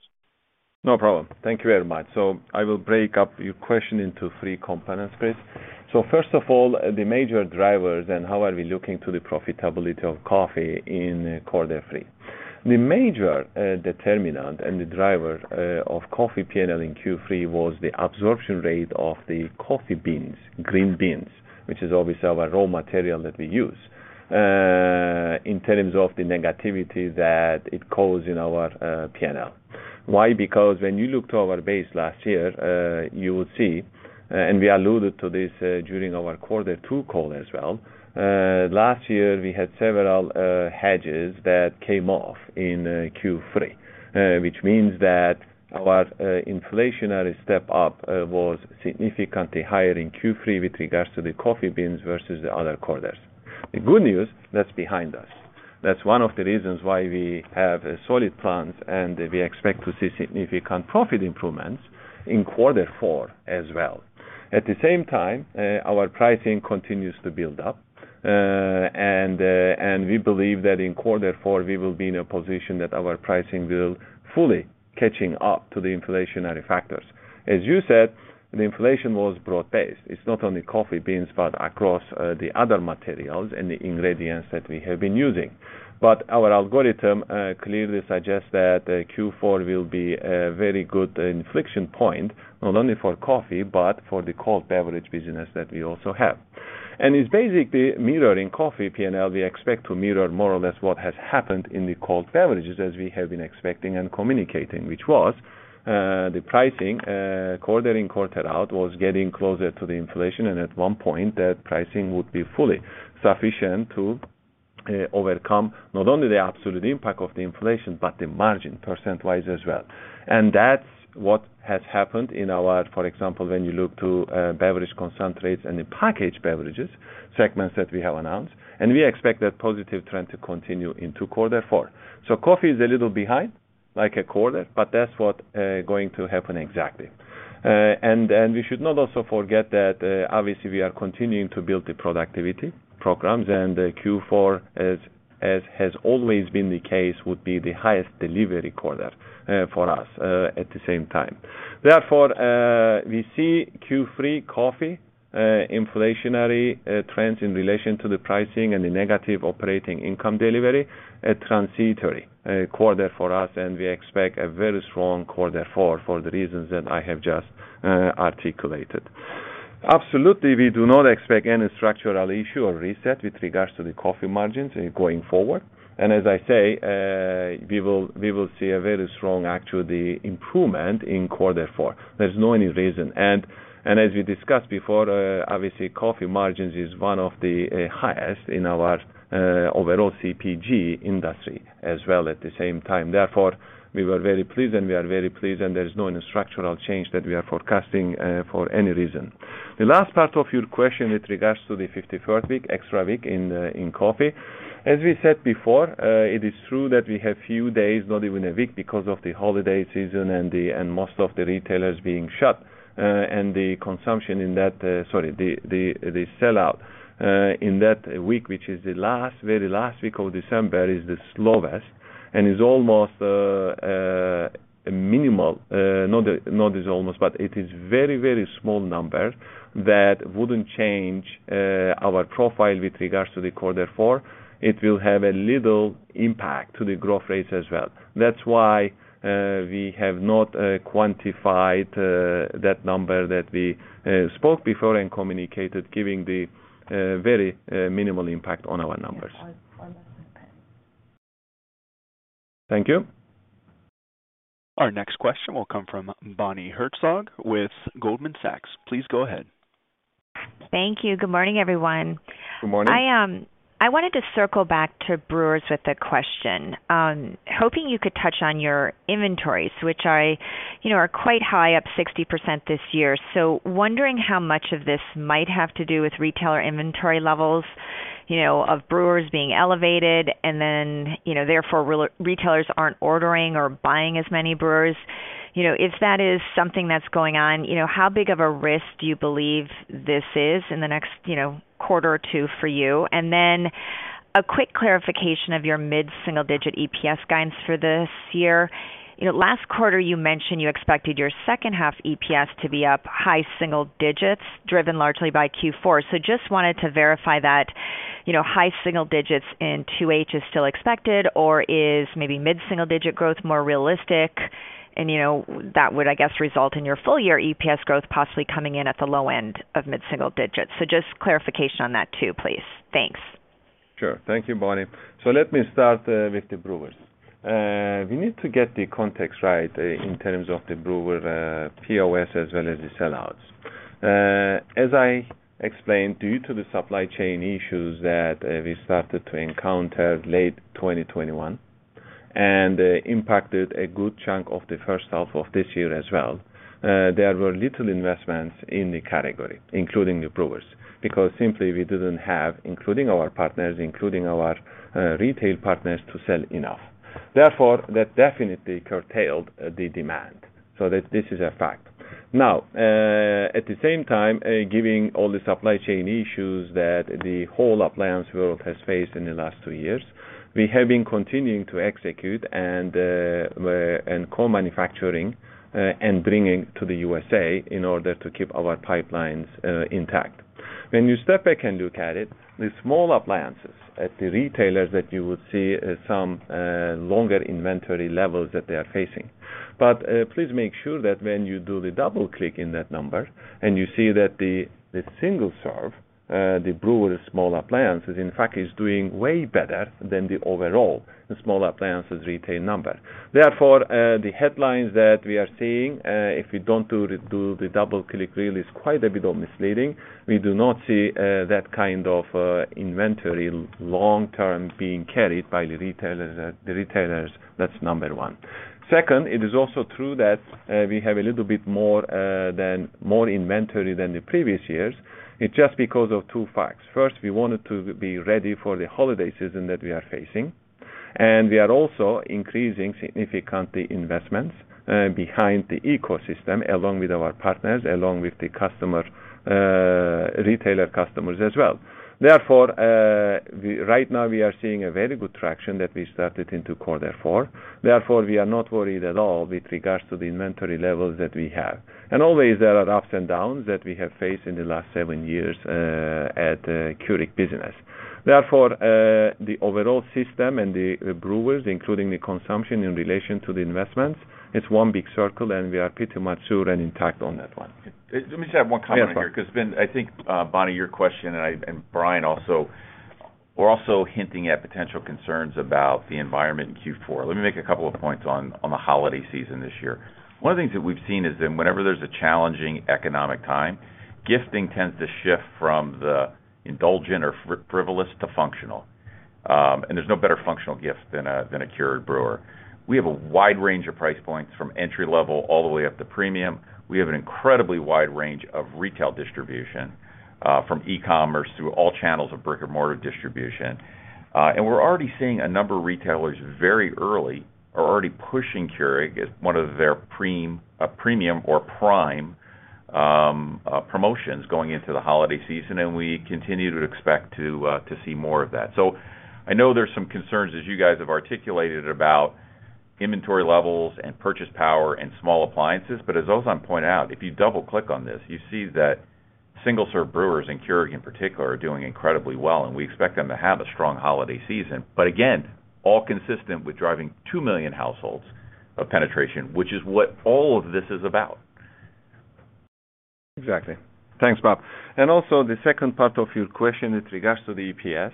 No problem. Thank you very much. I will break up your question into three components, Chris. First of all, the major drivers and how are we looking to the profitability of coffee in quarter three. The major determinant and the driver of coffee P&L in Q3 was the absorption rate of the coffee beans, green beans, which is obviously our raw material that we use. In terms of the negativity that it caused in our P&L. Why? Because when you look to our base last year, you will see, and we alluded to this during our quarter two call as well. Last year we had several hedges that came off in Q3, which means that our inflationary step up was significantly higher in Q3 with regards to the coffee beans versus the other quarters. The good news, that's behind us. That's one of the reasons why we have a solid plan, and we expect to see significant profit improvements in quarter four as well. At the same time, our pricing continues to build up. And we believe that in quarter four we will be in a position that our pricing will fully catch up to the inflationary factors. As you said, the inflation was broad-based. It's not only coffee beans, but across the other materials and the ingredients that we have been using. But our algorithm clearly suggests that Q4 will be a very good inflection point, not only for coffee, but for the cold beverage business that we also have. It's basically mirroring coffee P&L. We expect to mirror more or less what has happened in the cold beverages, as we have been expecting and communicating, which was the pricing, quarter in, quarter out, was getting closer to the inflation. At one point that pricing would be fully sufficient to overcome not only the absolute impact of the inflation, but the margin percent-wise as well. That's what has happened in our, for example, beverage concentrates and the packaged beverages segments that we have announced, and we expect that positive trend to continue into quarter four. Coffee is a little behind, like a quarter, but that's what's going to happen exactly. We should not also forget that, obviously we are continuing to build the productivity programs and Q4 as has always been the case, would be the highest delivery quarter, for us, at the same time. Therefore, we see Q3 coffee inflationary trends in relation to the pricing and the negative operating income delivery a transitory quarter for us, and we expect a very strong quarter four for the reasons that I have just articulated. Absolutely, we do not expect any structural issue or reset with regards to the coffee margins going forward. As I say, we will see a very strong actually improvement in quarter four. There's no any reason. As we discussed before, obviously coffee margins is one of the highest in our overall CPG industry as well at the same time. Therefore, we were very pleased and we are very pleased and there is no structural change that we are forecasting for any reason. The last part of your question with regards to the 54th week, extra week in coffee. As we said before, it is true that we have few days, not even a week, because of the holiday season and most of the retailers being shut, and the sell-out in that week, which is the last, very last week of December, is the slowest and is almost minimal. No, it is almost, but it is very, very small number that wouldn't change our profile with regards to the quarter four. It will have a little impact to the growth rate as well. That's why we have not quantified that number that we spoke before and communicated, giving the very minimal impact on our numbers. Thank you. Our next question will come from Bonnie Herzog with Goldman Sachs. Please go ahead. Thank you. Good morning, everyone. Good morning. I wanted to circle back to brewers with a question. Hoping you could touch on your inventories, which, you know, are quite high, up 60% this year. Wondering how much of this might have to do with retailer inventory levels, you know, of brewers being elevated and then, you know, therefore retailers aren't ordering or buying as many brewers. You know, if that is something that's going on, you know, how big of a risk do you believe this is in the next, you know, quarter or two for you? Then a quick clarification of your mid-single digit EPS guidance for this year. You know, last quarter you mentioned you expected your second half EPS to be up high single digits, driven largely by Q4. Just wanted to verify that, you know, high single digits in 2H is still expected or is maybe mid-single digit growth more realistic? You know, that would, I guess, result in your full year EPS growth possibly coming in at the low end of mid-single digits. Just clarification on that too, please? Thanks. Sure. Thank you, Bonnie. Let me start with the brewers. We need to get the context right in terms of the brewer POS as well as the sellouts. As I explained, due to the supply chain issues that we started to encounter late 2021 and impacted a good chunk of the first half of this year as well, there were little investments in the category, including the brewers, because simply we didn't have, including our partners, including our retail partners, to sell enough. Therefore, that definitely curtailed the demand. This is a fact. Now, at the same time, giving all the supply chain issues that the whole appliance world has faced in the last two years, we have been continuing to execute and co-manufacturing and bringing to the USA in order to keep our pipelines intact. When you step back and look at it, the small appliances at the retailers that you would see some longer inventory levels that they are facing. Please make sure that when you do the double-click in that number and you see that the single serve the brewer small appliance is in fact doing way better than the overall the small appliances retail number. Therefore, the headlines that we are seeing, if we don't do the double-click really is quite a bit of misleading. We do not see that kind of inventory long-term being carried by the retailers. The retailers, that's number one. Second, it is also true that we have a little bit more more inventory than the previous years. It's just because of two facts. First, we wanted to be ready for the holiday season that we are facing, and we are also increasing significantly investments behind the ecosystem, along with our partners, along with the customer, retailer customers as well. Therefore, right now we are seeing a very good traction that we started into quarter four. Therefore, we are not worried at all with regards to the inventory levels that we have. Always there are ups and downs that we have faced in the last seven years at Keurig business. Therefore, the overall system and the brewers, including the consumption in relation to the investments, it's one big circle, and we are pretty much secure and intact on that one. Let me just have one comment on here, because Ben, I think, Bonnie, your question and Bryan also, we're also hinting at potential concerns about the environment in Q4. Let me make a couple of points on the holiday season this year. One of the things that we've seen is that whenever there's a challenging economic time, gifting tends to shift from the indulgent or frivolous to functional. There's no better functional gift than a Keurig brewer. We have a wide range of price points from entry-level all the way up to premium. We have an incredibly wide range of retail distribution, from e-commerce to all channels of brick-and-mortar distribution. We're already seeing a number of retailers very early are already pushing Keurig as one of their premium or prime promotions going into the holiday season, and we continue to expect to see more of that. I know there's some concerns, as you guys have articulated, about inventory levels and purchasing power and small appliances. As Ozan pointed out, if you double-click on this, you see that single-serve brewers in Keurig in particular are doing incredibly well, and we expect them to have a strong holiday season. Again, all consistent with driving two million household penetration, which is what all of this is about. Exactly. Thanks, Bob. The second part of your question with regards to the EPS.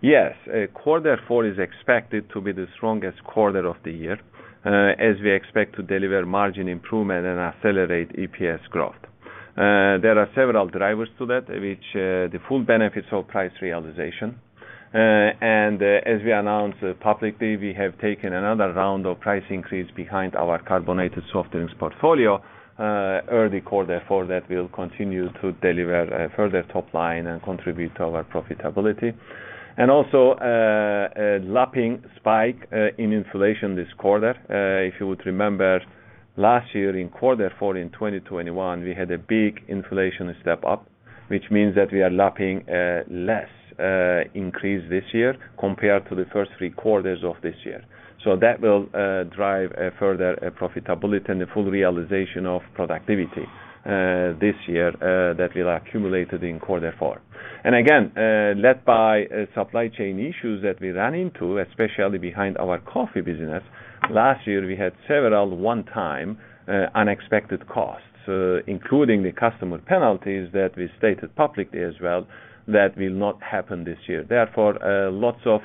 Yes, quarter four is expected to be the strongest quarter of the year, as we expect to deliver margin improvement and accelerate EPS growth. There are several drivers to that, which the full benefits of price realization. As we announced publicly, we have taken another round of price increase behind our carbonated soft drinks portfolio, early quarter four that will continue to deliver further top line and contribute to our profitability. A lapping spike in inflation this quarter. If you would remember, last year in quarter four in 2021, we had a big inflation step up, which means that we are lapping less increase this year compared to the first three quarters of this year. That will drive a further profitability and the full realization of productivity this year that will accumulate in quarter four. Again, led by supply chain issues that we ran into, especially behind our coffee business. Last year, we had several one-time unexpected costs, including the customer penalties that we stated publicly as well, that will not happen this year. Therefore, lots of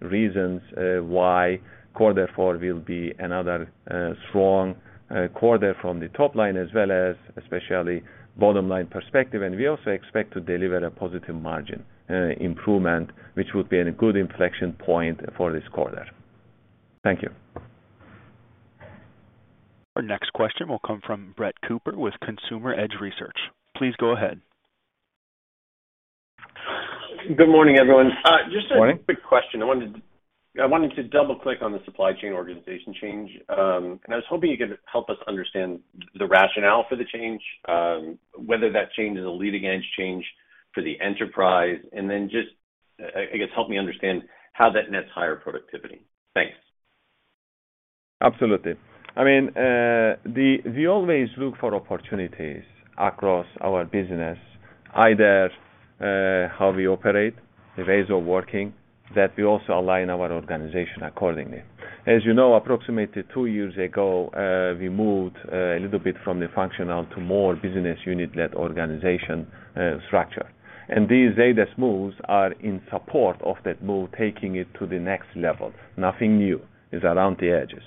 reasons why quarter four will be another strong quarter from the top line as well as especially bottom line perspective. We also expect to deliver a positive margin improvement, which would be a good inflection point for this quarter. Thank you. Our next question will come from Brett Cooper with Consumer Edge Research. Please go ahead. Good morning, everyone. Good morning. Just a quick question. I wanted to double-click on the supply chain organization change. I was hoping you could help us understand the rationale for the change, whether that change is a leading edge change for the enterprise, and then just, I guess help me understand how that nets higher productivity? Thanks. Absolutely. I mean, we always look for opportunities across our business, either, how we operate, the ways of working, that we also align our organization accordingly. As you know, approximately two years ago, we moved a little bit from the functional to more business unit led organization structure. These latest moves are in support of that move, taking it to the next level. Nothing new. It's around the edges.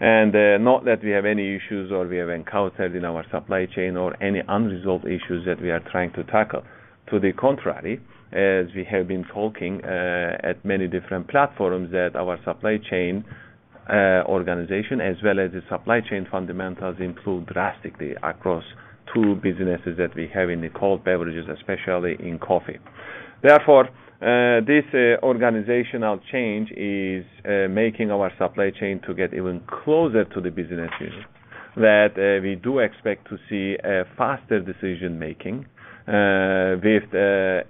Not that we have any issues or we have encountered in our supply chain or any unresolved issues that we are trying to tackle. To the contrary, as we have been talking, at many different platforms, that our supply chain organization as well as the supply chain fundamentals improved drastically across two businesses that we have in the cold beverages, especially in coffee. Therefore, this organizational change is making our supply chain to get even closer to the businesses that we do expect to see a faster decision-making with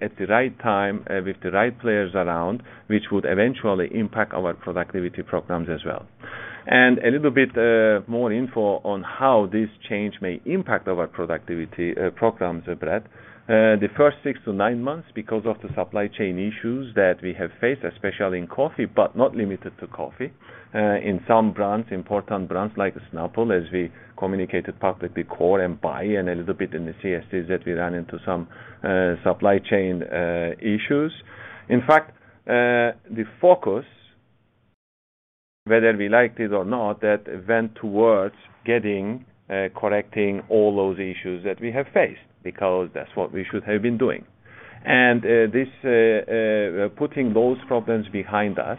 at the right time with the right players around, which would eventually impact our productivity programs as well. A little bit more info on how this change may impact our productivity programs, Brett. The first six-nine months because of the supply chain issues that we have faced, especially in coffee, but not limited to coffee. In some brands, important brands like Snapple, as we communicated publicly, Core and Bai and a little bit in the CSDs that we ran into some supply chain issues. In fact, the focus, whether we liked it or not, that went towards getting, correcting all those issues that we have faced because that's what we should have been doing. This putting those problems behind us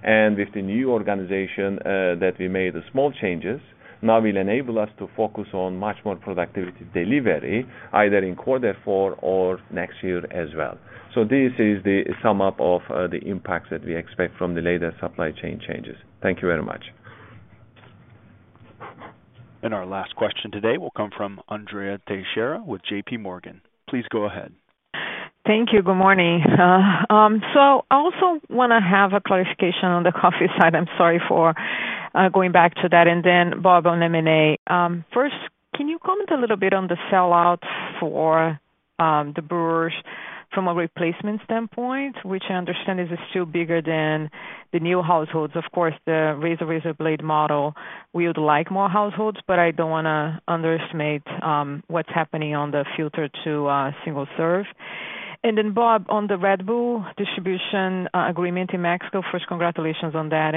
and with the new organization, that we made the small changes now will enable us to focus on much more productivity delivery, either in quarter four or next year as well. This is the sum up of, the impacts that we expect from the latest supply chain changes. Thank you very much. Our last question today will come from Andrea Teixeira with J.P. Morgan. Please go ahead. Thank you. Good morning. I also wanna have a clarification on the coffee side. I'm sorry for going back to that, then Bob on M&A. First, can you comment a little bit on the sell-out for the brewers from a replacement standpoint, which I understand is still bigger than the new households. Of course, the razor-razor blade model. We would like more households, but I don't wanna underestimate what's happening on the filter to single serve. Bob, on the Red Bull distribution agreement in Mexico, first, congratulations on that.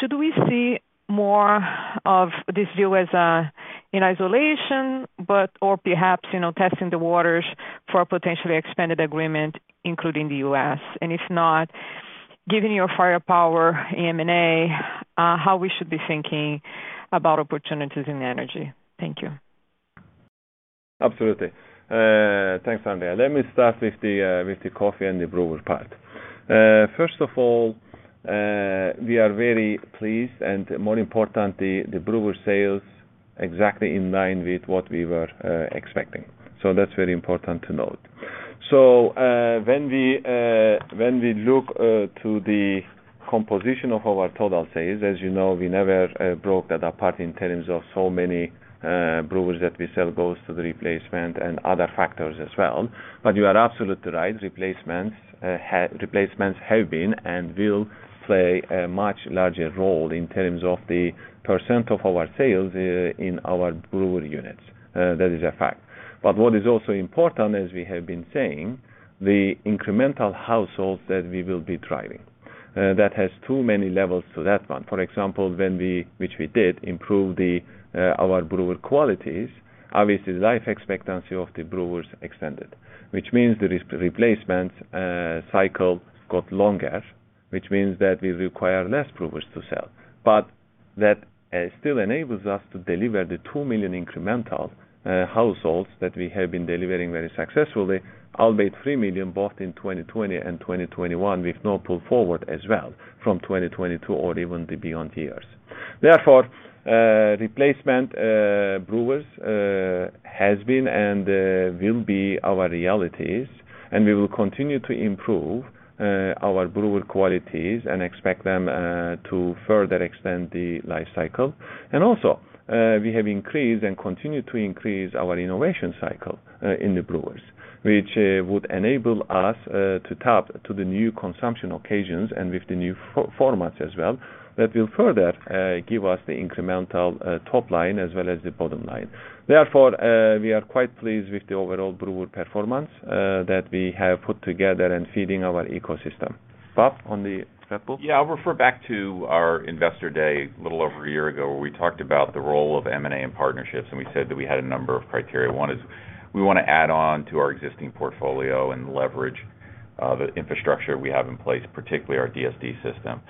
Should we see more of this deal as in isolation, or perhaps, you know, testing the waters for a potentially expanded agreement, including the U.S.? If not, given your firepower in M&A, how we should be thinking about opportunities in energy? Thank you. Absolutely. Thanks, Andrea. Let me start with the coffee and the brewer part. First of all, we are very pleased and more importantly, the brewer sales exactly in line with what we were expecting. That's very important to note. When we look to the composition of our total sales, as you know, we never broke that apart in terms of so many brewers that we sell goes to the replacement and other factors as well. But you are absolutely right. Replacements have been and will play a much larger role in terms of the percent of our sales in our brewer units. That is a fact. But what is also important, as we have been saying, the incremental households that we will be driving. That has too many levels to that one. For example, when we improved our brewer qualities, obviously, the life expectancy of the brewers extended, which means the replacement cycle got longer, which means that we require less brewers to sell. That still enables us to deliver the two million incremental households that we have been delivering very successfully, albeit three million, both in 2020 and 2021, with no pull forward as well from 2022 or even the beyond years. Therefore, replacement brewers has been and will be our realities, and we will continue to improve our brewer qualities and expect them to further extend the life cycle. We have increased and continue to increase our innovation cycle in the brewers, which would enable us to tap into the new consumption occasions and with the new form factors as well, that will further give us the incremental top line as well as the bottom line. Therefore, we are quite pleased with the overall brewer performance that we have put together in feeding our ecosystem. Bob, on the Red Bull? Yeah. I'll refer back to our investor day a little over a year ago where we talked about the role of M&A and partnerships, and we said that we had a number of criteria. One is we wanna add on to our existing portfolio and leverage the infrastructure we have in place, particularly our DSD system.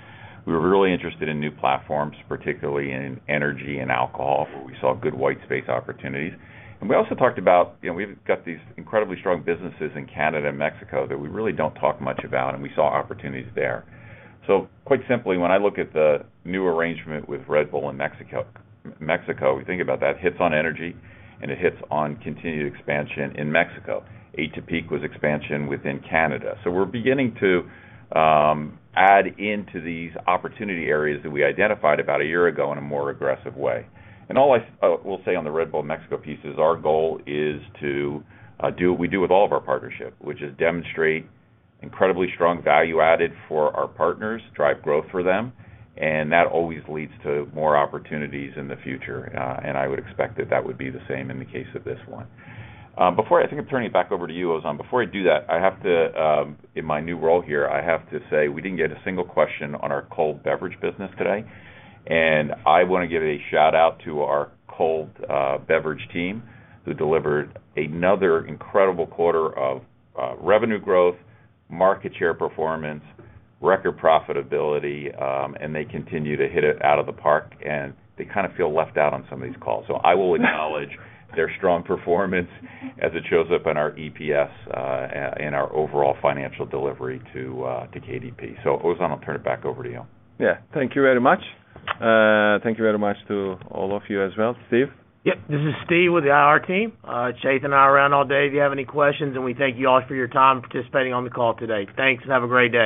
We were really interested in new platforms, particularly in energy and alcohol, where we saw good white space opportunities. We also talked about, you know, we've got these incredibly strong businesses in Canada and Mexico that we really don't talk much about, and we saw opportunities there. Quite simply, when I look at the new arrangement with Red Bull in Mexico, we think about that, hits on energy and it hits on continued expansion in Mexico. Atypique was expansion within Canada. We're beginning to add into these opportunity areas that we identified about a year ago in a more aggressive way. All I will say on the Red Bull Mexico piece is our goal is to do what we do with all of our partnership, which is demonstrate incredibly strong value added for our partners, drive growth for them, and that always leads to more opportunities in the future. I would expect that that would be the same in the case of this one. I think I'm turning it back over to you, Ozan. Before I do that, in my new role here, I have to say we didn't get a single question on our cold beverage business today. I wanna give a shout-out to our cold beverage team who delivered another incredible quarter of revenue growth, market share performance, record profitability, and they continue to hit it out of the park, and they kinda feel left out on some of these calls. I will acknowledge their strong performance as it shows up in our EPS, and our overall financial delivery to KDP. Ozan, I'll turn it back over to you. Yeah. Thank you very much. Thank you very much to all of you as well. Steve? Yep. This is Steve with the IR team. Chase and I are around all day if you have any questions, and we thank you all for your time participating on the call today. Thanks, and have a great day.